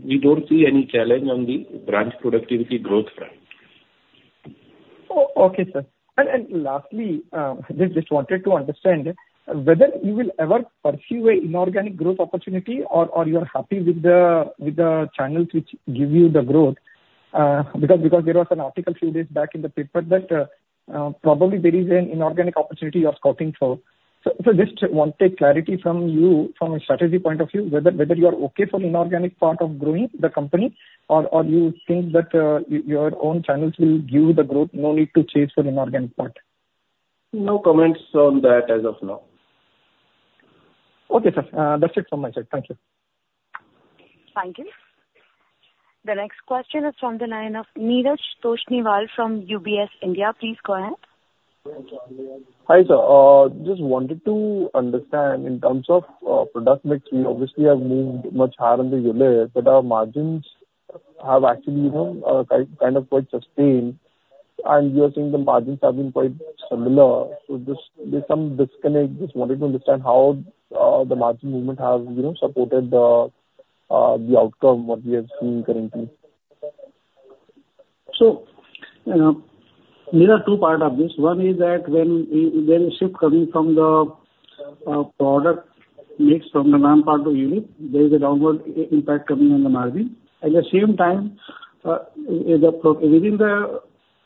We don't see any challenge on the branch productivity growth front. Okay, sir. And lastly, just wanted to understand whether you will ever pursue an inorganic growth opportunity or you are happy with the channels which give you the growth, because there was an article few days back in the paper that probably there is an inorganic opportunity you are scouting for. So just want clarity from you from a strategy point of view, whether you are okay for inorganic part of growing the company or you think that your own channels will give you the growth, no need to chase for inorganic part? No comments on that as of now. Okay, sir. That's it from my side. Thank you. Thank you. The next question is from the line of Neeraj Toshniwal from UBS, India. Please go ahead. Hi, sir. Just wanted to understand in terms of product mix, you obviously have moved much higher on the unit, but our margins have actually been kind of quite sustained. And we are seeing the margins have been quite similar. So just there's some disconnect. Just wanted to understand how the margin movement has, you know, supported the outcome what we are seeing currently. So, there are two parts of this. One is that when you shift coming from the product mix from the Non-Par to unit, there is a downward impact coming on the margin. At the same time, the within the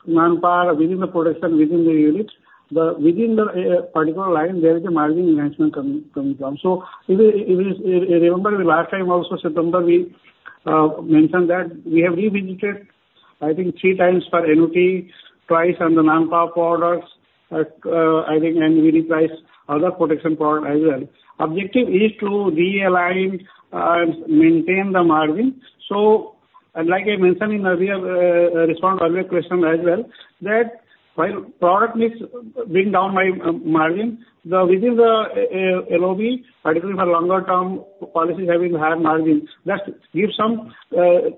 Non-Par, within the protection, within the units, the within the particular line, there is a margin enhancement coming from. So it is, it is, if you remember the last time also, September, we mentioned that we have revisited, I think three times per Annuity, twice on the Non-Par products, I think, and we reprice other protection product as well. Objective is to realign and maintain the margin. Like I mentioned in an earlier response to the earlier question as well, that while product mix bring down my margin, then within the LOB, particularly for longer term policies having higher margins, that gives some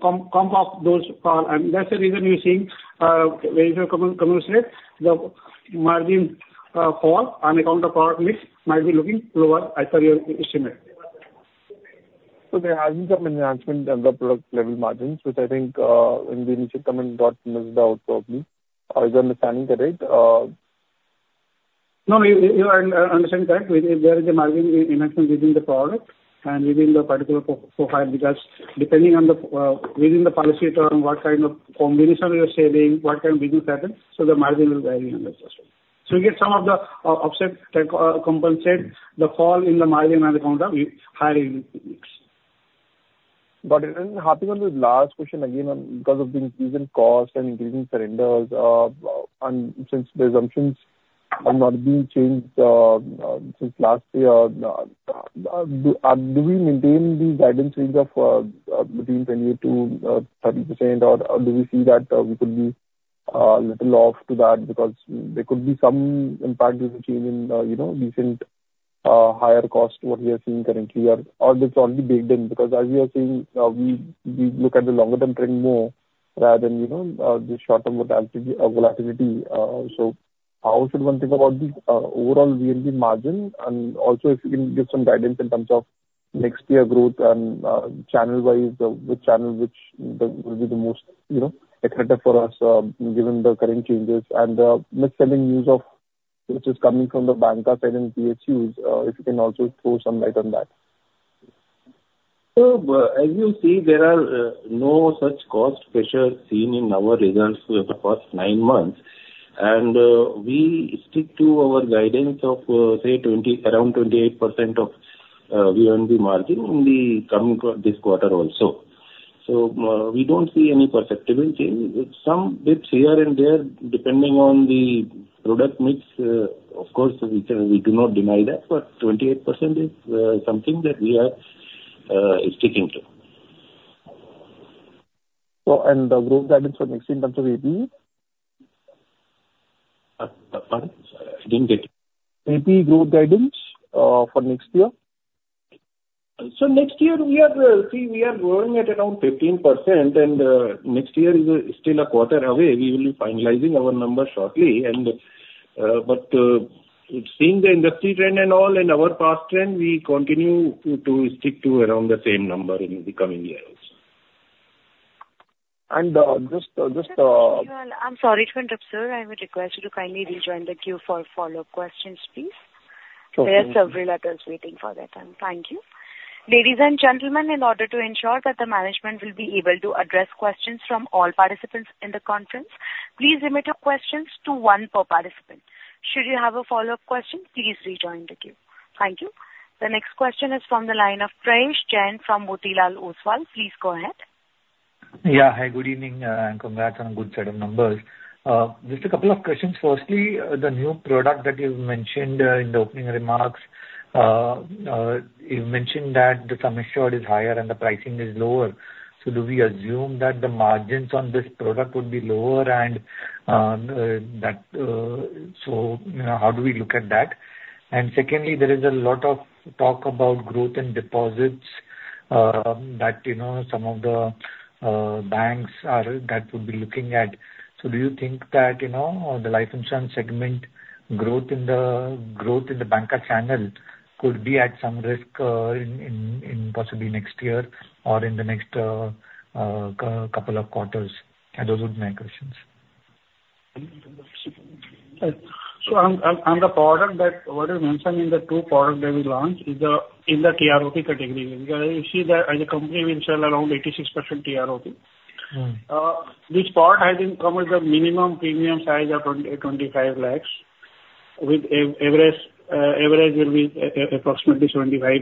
compensation of those calls. That's the reason you're seeing very few coming to, say, the margin fall on account of product mix might be looking lower as per your estimate. There has been some enhancement on the product level margins, which I think, in the initial comment, got missed out probably. Are you understanding that right? No, you, you are understanding correct. There is a margin enhancement within the product and within the particular profile, because depending on the, within the policy term, what kind of combination you are selling, what kind of business patterns, so the margin will vary in that as well. So you get some of the offset that compensate the fall in the margin on account of higher units. But then harping on the last question again, on because of the increasing costs and increasing surrenders, and since the assumptions are not being changed, since last year, do we maintain the guidance range of between Uncertain, or do we see that we could be little off to that? Because there could be some impact with the change in, you know, recent higher cost, what we are seeing currently, or this is already baked in. Because as we are saying, we look at the longer term trend more rather than, you know, the short-term volatility. So how should one think about the overall VNB margin? Also, if you can give some guidance in terms of next year growth and, channel-wise, which channel will be the most, you know, attractive for us, given the current changes and the mis-selling news which is coming from the bankers and BCs, if you can also throw some light on that. So, as you see, there are no such cost pressures seen in our results for the first nine months. And we stick to our guidance of, say, 20, around 28% of VNB margin in the coming quarter, this quarter also. So, we don't see any perceptible change. Some bits here and there, depending on the product mix, of course, we do not deny that, but 28% is something that we are sticking to. The growth guidance for next year in terms of APE? Pardon? I didn't get you. APE growth guidance for next year. So next year we are growing at around 15%, and next year is still a quarter away. We will be finalizing our numbers shortly, and but seeing the industry trend and all and our past trend, we continue to stick to around the same number in the coming years. And just I'm sorry to interrupt, sir. I would request you to kindly rejoin the queue for follow-up questions, please. Okay. There are several others waiting for their turn. Thank you. Ladies and gentlemen, in order to ensure that the management will be able to address questions from all participants in the conference, please limit your questions to one per participant. Should you have a follow-up question, please rejoin the queue. Thank you. The next question is from the line of Prayesh Jain from Motilal Oswal. Please go ahead. Yeah. Hi, good evening, and congrats on good set of numbers. Just a couple of questions. Firstly, the new product that you mentioned in the opening remarks, you mentioned that the sum assured is higher and the pricing is lower. So do we assume that the margins on this product would be lower? And that, so, you know, how do we look at that? And secondly, there is a lot of talk about growth in deposits... that, you know, some of the banks are that would be looking at. So do you think that, you know, the life insurance segment growth in the, growth in the Banca channel could be at some risk in possibly next year or in the next couple of quarters? And those were my questions. The product, what is mentioned in the two products that we launched is the TROP category. You see that as a company we sell around 86% TROP. Mm. This part has been covered the minimum premium size of 20-25 lakhs, with average will be approximately 25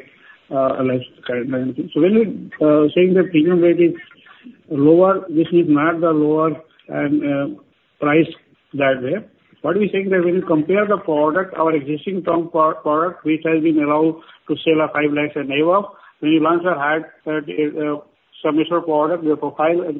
lakhs. So when we saying the premium rate is lower, this is not the lower price that way. What we think that when you compare the product, our existing term product, which has been allowed to sell at 5 lakhs and above, we launched a high sum assured product,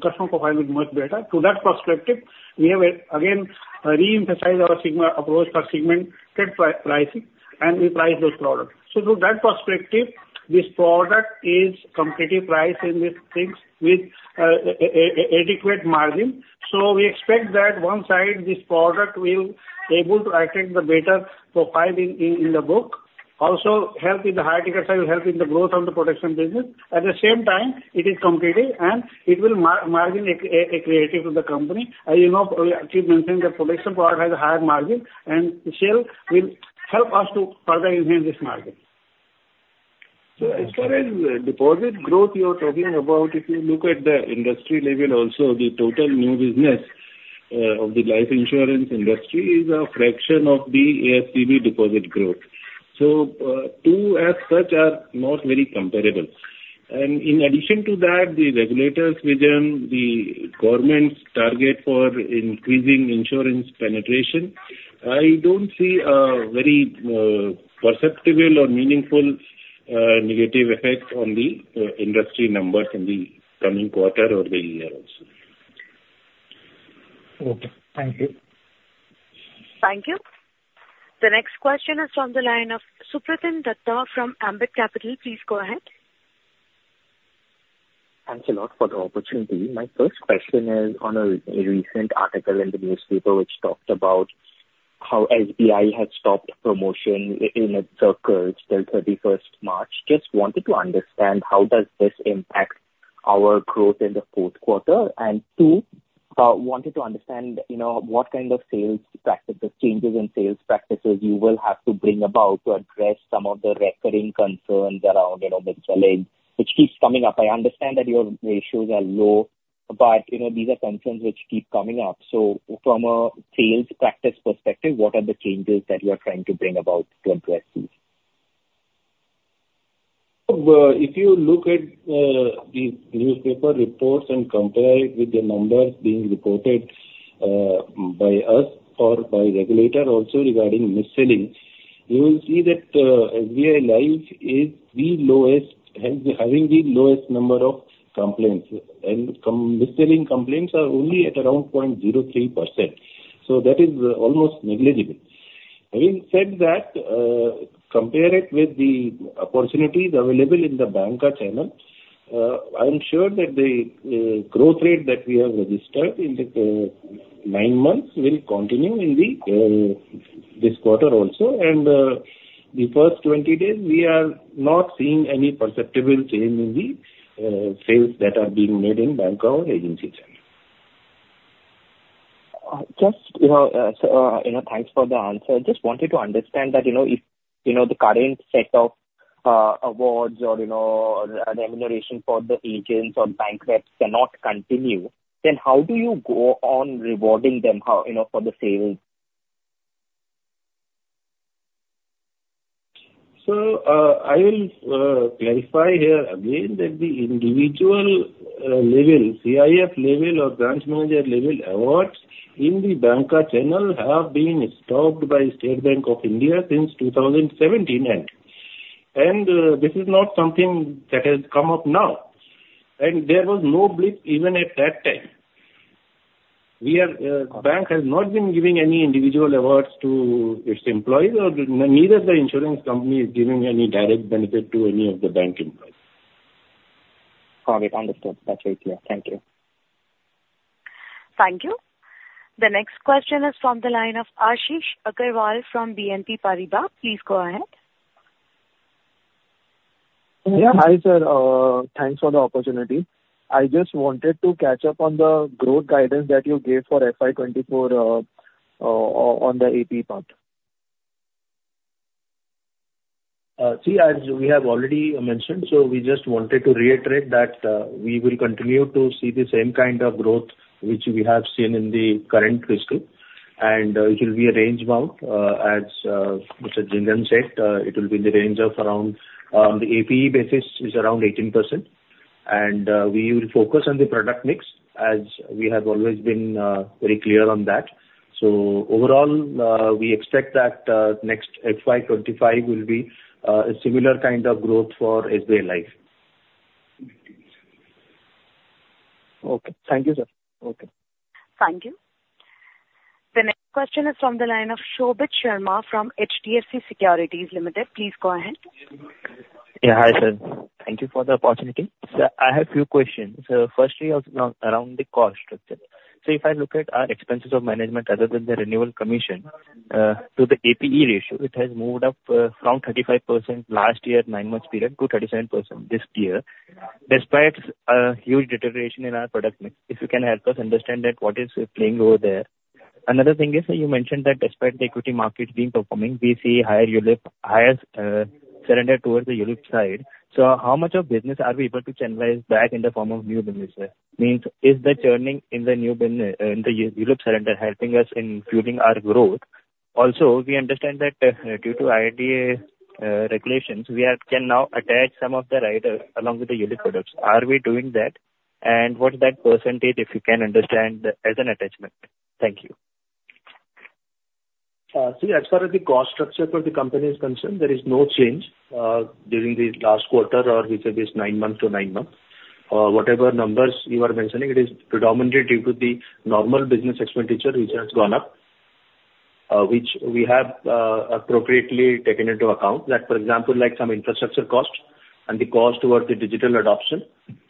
customer profile is much better. To that perspective, we have again re-emphasize our segment approach for segmented pricing, and we price those products. So to that perspective, this product is competitively priced with adequate margin. So we expect that one side, this product will be able to attract the better profile in the book, also help with the high ticket side, will help in the growth of the protection business. At the same time, it is competitive and it will margin accretive to the company. And, you know, actually mentioned the protection product has a higher margin, and sale will help us to further enhance this margin. So as far as deposit growth you're talking about, if you look at the industry level also, the total new business of the life insurance industry is a fraction of the ASCB deposit growth. So, two as such are not very comparable. In addition to that, the regulators within the government's target for increasing insurance penetration, I don't see a very perceptible or meaningful negative effect on the industry numbers in the coming quarter or the year also. Okay, thank you. Thank you. The next question is from the line of Supratim Datta from Ambit Capital. Please go ahead. Thanks a lot for the opportunity. My first question is on a recent article in the newspaper which talked about how SBI has stopped promotion in its circles till thirty-first March. Just wanted to understand how does this impact our growth in the fourth quarter? And two, wanted to understand, you know, what kind of sales practices, changes in sales practices you will have to bring about to address some of the recurring concerns around, you know, mis-selling, which keeps coming up. I understand that your ratios are low, but you know, these are concerns which keep coming up. So from a sales practice perspective, what are the changes that you are trying to bring about to address this? If you look at the newspaper reports and compare it with the numbers being reported by us or by regulator also regarding mis-selling, you will see that SBI Life is the lowest, having the lowest number of complaints, and mis-selling complaints are only at around 0.03%. So that is almost negligible. Having said that, compare it with the opportunities available in the Banca channel. I'm sure that the growth rate that we have registered in the nine months will continue in this quarter also. The first 20 days, we are not seeing any perceptible change in the sales that are being made in banker or agency channel. Just, you know, so, you know, thanks for the answer. Just wanted to understand that, you know, if, you know, the current set of awards or, you know, remuneration for the agents or bank reps cannot continue, then how do you go on rewarding them, how, you know, for the sales? I will clarify here again that the individual level, CIF level or branch manager level awards in the Banca channel have been stopped by State Bank of India since 2017, and this is not something that has come up now. There was no blip even at that time. The bank has not been giving any individual awards to its employees, nor the insurance company is giving any direct benefit to any of the bank employees. Got it. Understood. That's very clear. Thank you. Thank you. The next question is from the line of Ashish Agarwal from BNP Paribas. Please go ahead. Yeah. Hi, sir, thanks for the opportunity. I just wanted to catch up on the growth guidance that you gave for FY 2024, on the APE part. See, as we have already mentioned, so we just wanted to reiterate that, we will continue to see the same kind of growth which we have seen in the current fiscal, and, it will be a range amount. As, Mr. Jhingran said, it will be in the range of around the APE basis is around 18%. And, we will focus on the product mix, as we have always been, very clear on that. So overall, we expect that, next FY 2025 will be, a similar kind of growth for SBI Life.... Okay. Thank you, sir. Okay. Thank you. The next question is from the line of Shobhit Sharma from HDFC Securities Limited. Please go ahead. Yeah, hi, sir. Thank you for the opportunity. So I have few questions. So firstly, around the cost structure. So if I look at our expenses of management other than the renewal commission to the APE ratio, it has moved up from 35% last year nine months period to 37% this year, despite a huge deterioration in our product mix. If you can help us understand that, what is playing over there? Another thing is that you mentioned that despite the equity market being performing, we see higher ULIP, higher surrender towards the ULIP side. So how much of business are we able to channelize back in the form of new business, sir? Means is the churning in the new business in the ULIP surrender helping us in fueling our growth? Also, we understand that due to IRDAI regulations, we can now attach some of the rider along with the ULIP products. Are we doing that? And what is that percentage, if you can understand as an attachment? Thank you. See, as far as the cost structure for the company is concerned, there is no change during the last quarter or we say this nine months to nine months. Whatever numbers you are mentioning, it is predominantly due to the normal business expenditure, which has gone up, which we have appropriately taken into account. Like, for example, like some infrastructure costs and the cost towards the digital adoption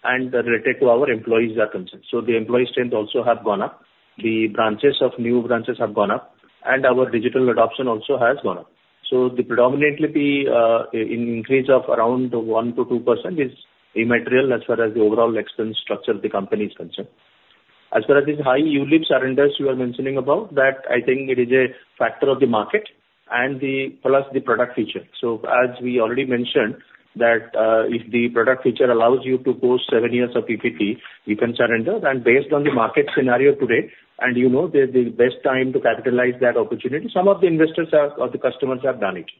and related to our employees are concerned. So the employee strength also have gone up, the branches of new branches have gone up, and our digital adoption also has gone up. So predominantly, the increase of around 1%-2% is immaterial as far as the overall expense structure of the company is concerned. As far as this high ULIP surrenders you are mentioning about, that I think it is a factor of the market and the plus the product feature. So as we already mentioned that, if the product feature allows you to post seven years of PPT, you can surrender. And based on the market scenario today, and you know that the best time to capitalize that opportunity, some of the investors are, or the customers have done it.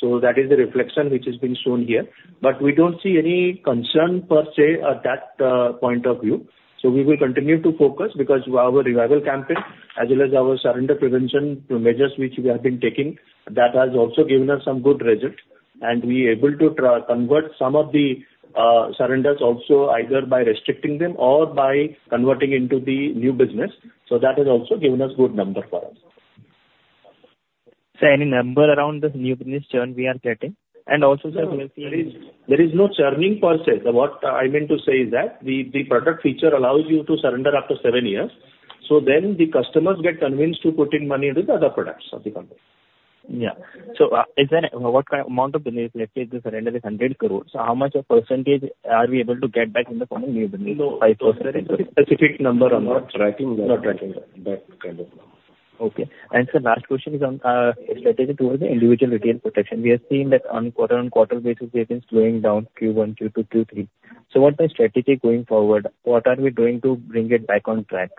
So that is the reflection which is being shown here. But we don't see any concern per se at that point of view. So we will continue to focus because our revival campaign, as well as our surrender prevention measures, which we have been taking, that has also given us some good results. And we able to convert some of the surrenders also either by restricting them or by converting into the new business. So that has also given us good number for us. Any number around this new business churn we are getting? And also, sir- There is no churning per se. What I meant to say is that the product feature allows you to surrender after seven years, so then the customers get convinced to putting money into the other products of the company. Yeah. So, is there, what kind of amount of business, let's say the surrender is 100 crore, so how much of percentage are we able to get back in the form of new business? 5%? Specific number on that. We're not tracking that. Not tracking that. That kind of number. Okay. And sir, last question is on, strategy towards the individual retail protection. We are seeing that on quarter-on-quarter basis, we have been slowing down Q1, Q2, Q3. So what's the strategy going forward? What are we doing to bring it back on track?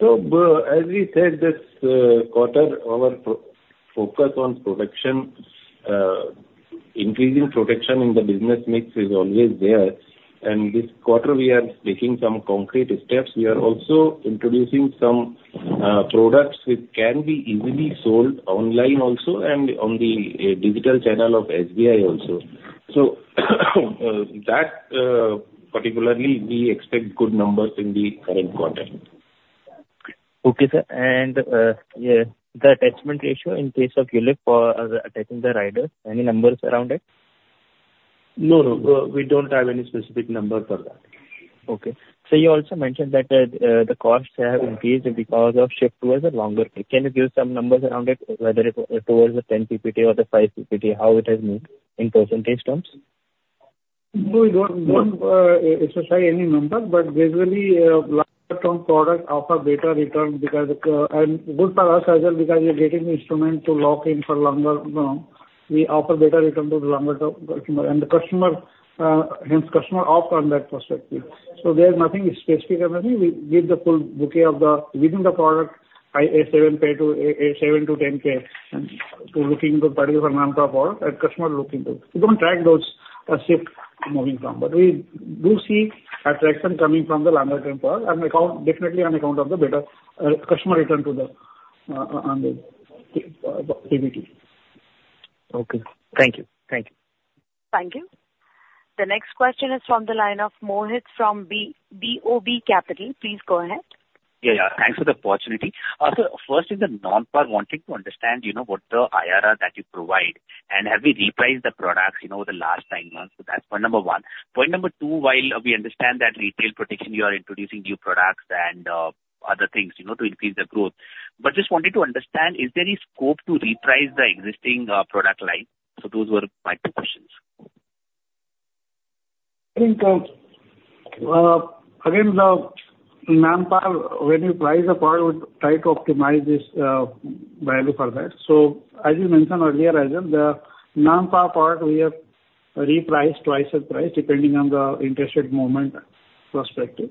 So, as we said, this quarter, our focus on protection, increasing protection in the business mix is always there, and this quarter we are taking some concrete steps. We are also introducing some products which can be easily sold online also and on the digital channel of SBI also. So, that particularly, we expect good numbers in the current quarter. Okay, sir. And, yeah, the attachment ratio in case of ULIP for attaching the rider, any numbers around it? No, no. We don't have any specific number for that. Okay. So you also mentioned that the costs have increased because of shift towards the longer pay. Can you give some numbers around it, whether it towards the 10 PPT or the 5 PPT, how it has moved in percentage terms? No, we don't exercise any number, but basically, longer term product offer better return because, and good for us as well, because we are getting the instrument to lock in for longer term. We offer better return to the longer term customer, and the customer, hence customer opt on that perspective. So there is nothing specific or nothing. We give the full bouquet of the, within the product, i.e., 7 Pay to 7 to 10 Pay, and to looking into particular non-par product and customer looking to. We don't track those shift moving from. But we do see attraction coming from the longer term product, on account, definitely on account of the better customer return to the on the PPT. Okay. Thank you. Thank you. Thank you. The next question is from the line of Mohit from BOB Capital. Please go ahead. Yeah, yeah. Thanks for the opportunity. So first in the non-par, wanting to understand, you know, what the IRR that you provide, and have we repriced the products, you know, over the last nine months? So that's point number one. Point number two, while we understand that retail protection, you are introducing new products and other things, you know, to increase the growth, but just wanted to understand, is there any scope to reprice the existing product line? So those were my two questions. I think, again, the non-par, when you price a product, try to optimize this, value for that. So as you mentioned earlier, as well, the non-par product we have repriced twice as price, depending on the interest rate movement perspective.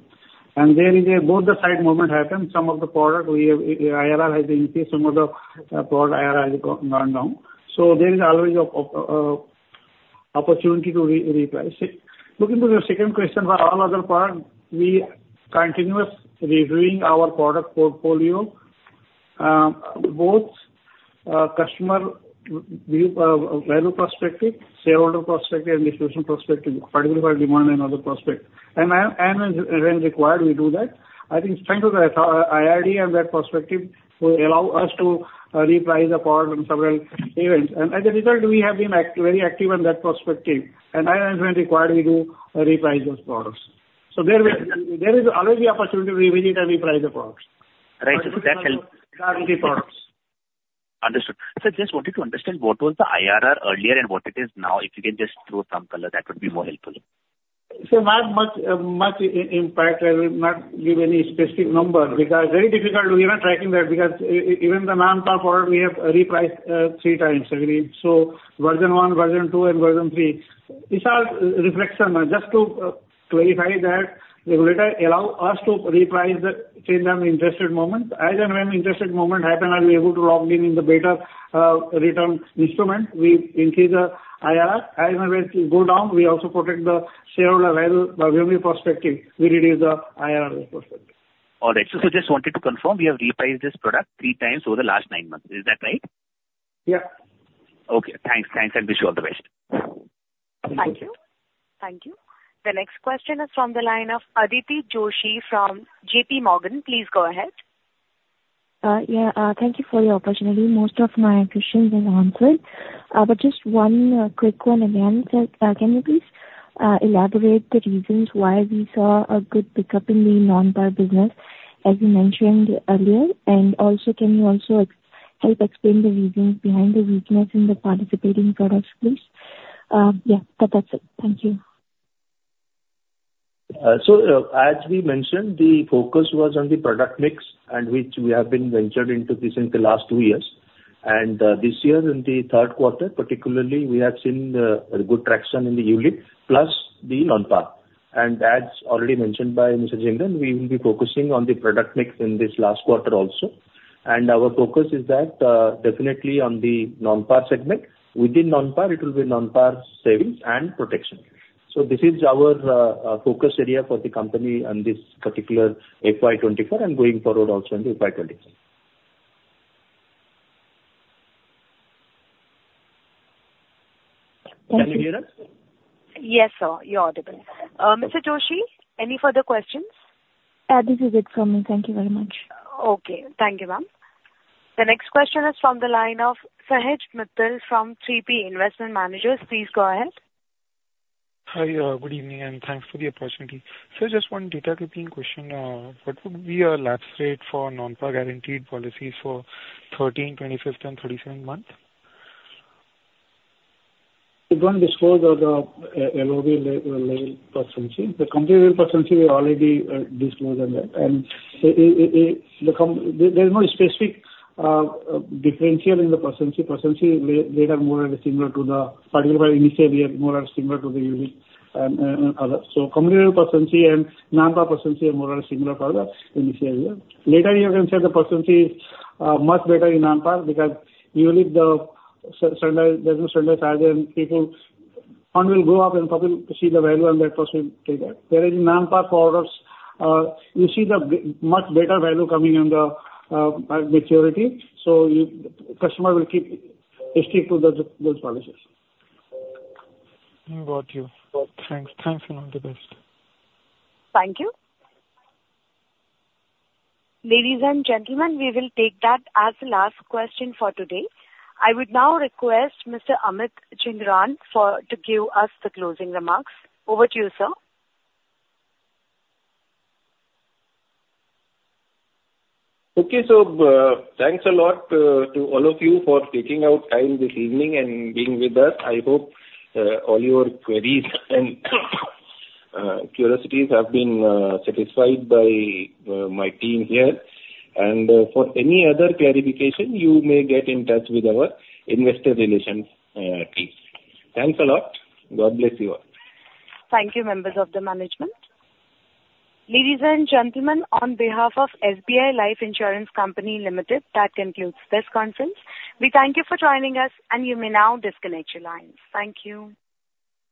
And there is a both the side movement happen. Some of the product we have, IRR has increased, some of the, product IRR has gone down. So there is always, opportunity to reprice it. Looking to your second question, for all other product, we continuous reviewing our product portfolio- Both, customer view, value perspective, shareholder perspective, and distribution perspective, particular demand and other perspective. And when required, we do that. I think strength of the IRD and that perspective will allow us to reprice the product in several events. And as a result, we have been very active on that perspective, and as and when required, we do reprice those products. So there is always the opportunity to revisit and reprice the products. Right. So that helps. Guaranteed products. Understood. Sir, just wanted to understand, what was the IRR earlier and what it is now? If you can just throw some color, that would be more helpful. So not much, much impact. I will not give any specific number because very difficult to even tracking that, because even the non-par product, we have, repriced, three times already. So version one, version two, and version three. These are reflection. Just to, clarify that regulator allow us to reprice the, change them interest rate movement. As and when interest rate movement happen, and we are able to lock in, in the better, return instrument, we increase the IRR. As and when it go down, we also protect the shareholder value, value perspective, we reduce the IRR perspective. All right. Just wanted to confirm, you have repriced this product three times over the last nine months. Is that right? Yeah. Okay, thanks. Thanks, and wish you all the best. Thank you. Thank you. The next question is from the line of Aditi Joshi from JP Morgan. Please go ahead. Yeah, thank you for the opportunity. Most of my questions were answered, but just one quick one again. Sir, can you please elaborate the reasons why we saw a good pickup in the Non-Par business, as you mentioned earlier? And also, can you also help explain the reasons behind the weakness in the Participating products, please? Yeah, that's it. Thank you. So, as we mentioned, the focus was on the product mix, and which we have been ventured into this in the last two years. And, this year, in the third quarter particularly, we have seen, a good traction in the ULIP plus the Non-Par. And as already mentioned by Mr. Jhingran, we will be focusing on the product mix in this last quarter also. And our focus is that, definitely on the Non-Par segment. Within Non-Par, it will be Non-Par savings and protection. So this is our, focus area for the company on this particular FY 2024 and going forward also into FY 2025. Thank you. Can you hear us? Yes, sir, you're audible. Mr. Joshi, any further questions? This is it from me. Thank you very much. Okay. Thank you, ma'am. The next question is from the line of Sahej Mittal from 3P Investment Managers. Please go ahead. Hi, good evening, and thanks for the opportunity. Sir, just one data keeping question. What would be your lapse rate for non-par guaranteed policies for 13th, 25th, and 37 months? We don't disclose the LOB level percentage. The comparative percentage, we already disclosed on that. There's no specific differential in the percentage. Percentage, they are more or less similar to the particularly initial year, more or less similar to the unit and other. So cumulative percentage and non-par percentage are more or less similar for the initial year. Later year, you can say the percentage is much better in non-par because usually the surrender, there's no surrender charge and people, fund will go up and people see the value and they in non-par proceed with that. Whereas in non-par products, you see the much better value coming in the maturity, so you customer will keep stick to the those policies. Got you. Got it. Thanks. Thanks, and all the best. Thank you. Ladies and gentlemen, we will take that as the last question for today. I would now request Mr. Amit Jhingran for, to give us the closing remarks. Over to you, sir. Okay, so, thanks a lot to all of you for taking out time this evening and being with us. I hope all your queries and curiosities have been satisfied by my team here. For any other clarification, you may get in touch with our investor relations team. Thanks a lot. God bless you all! Thank you, members of the management. Ladies and gentlemen, on behalf of SBI Life Insurance Company Limited, that concludes this conference. We thank you for joining us, and you may now disconnect your lines. Thank you.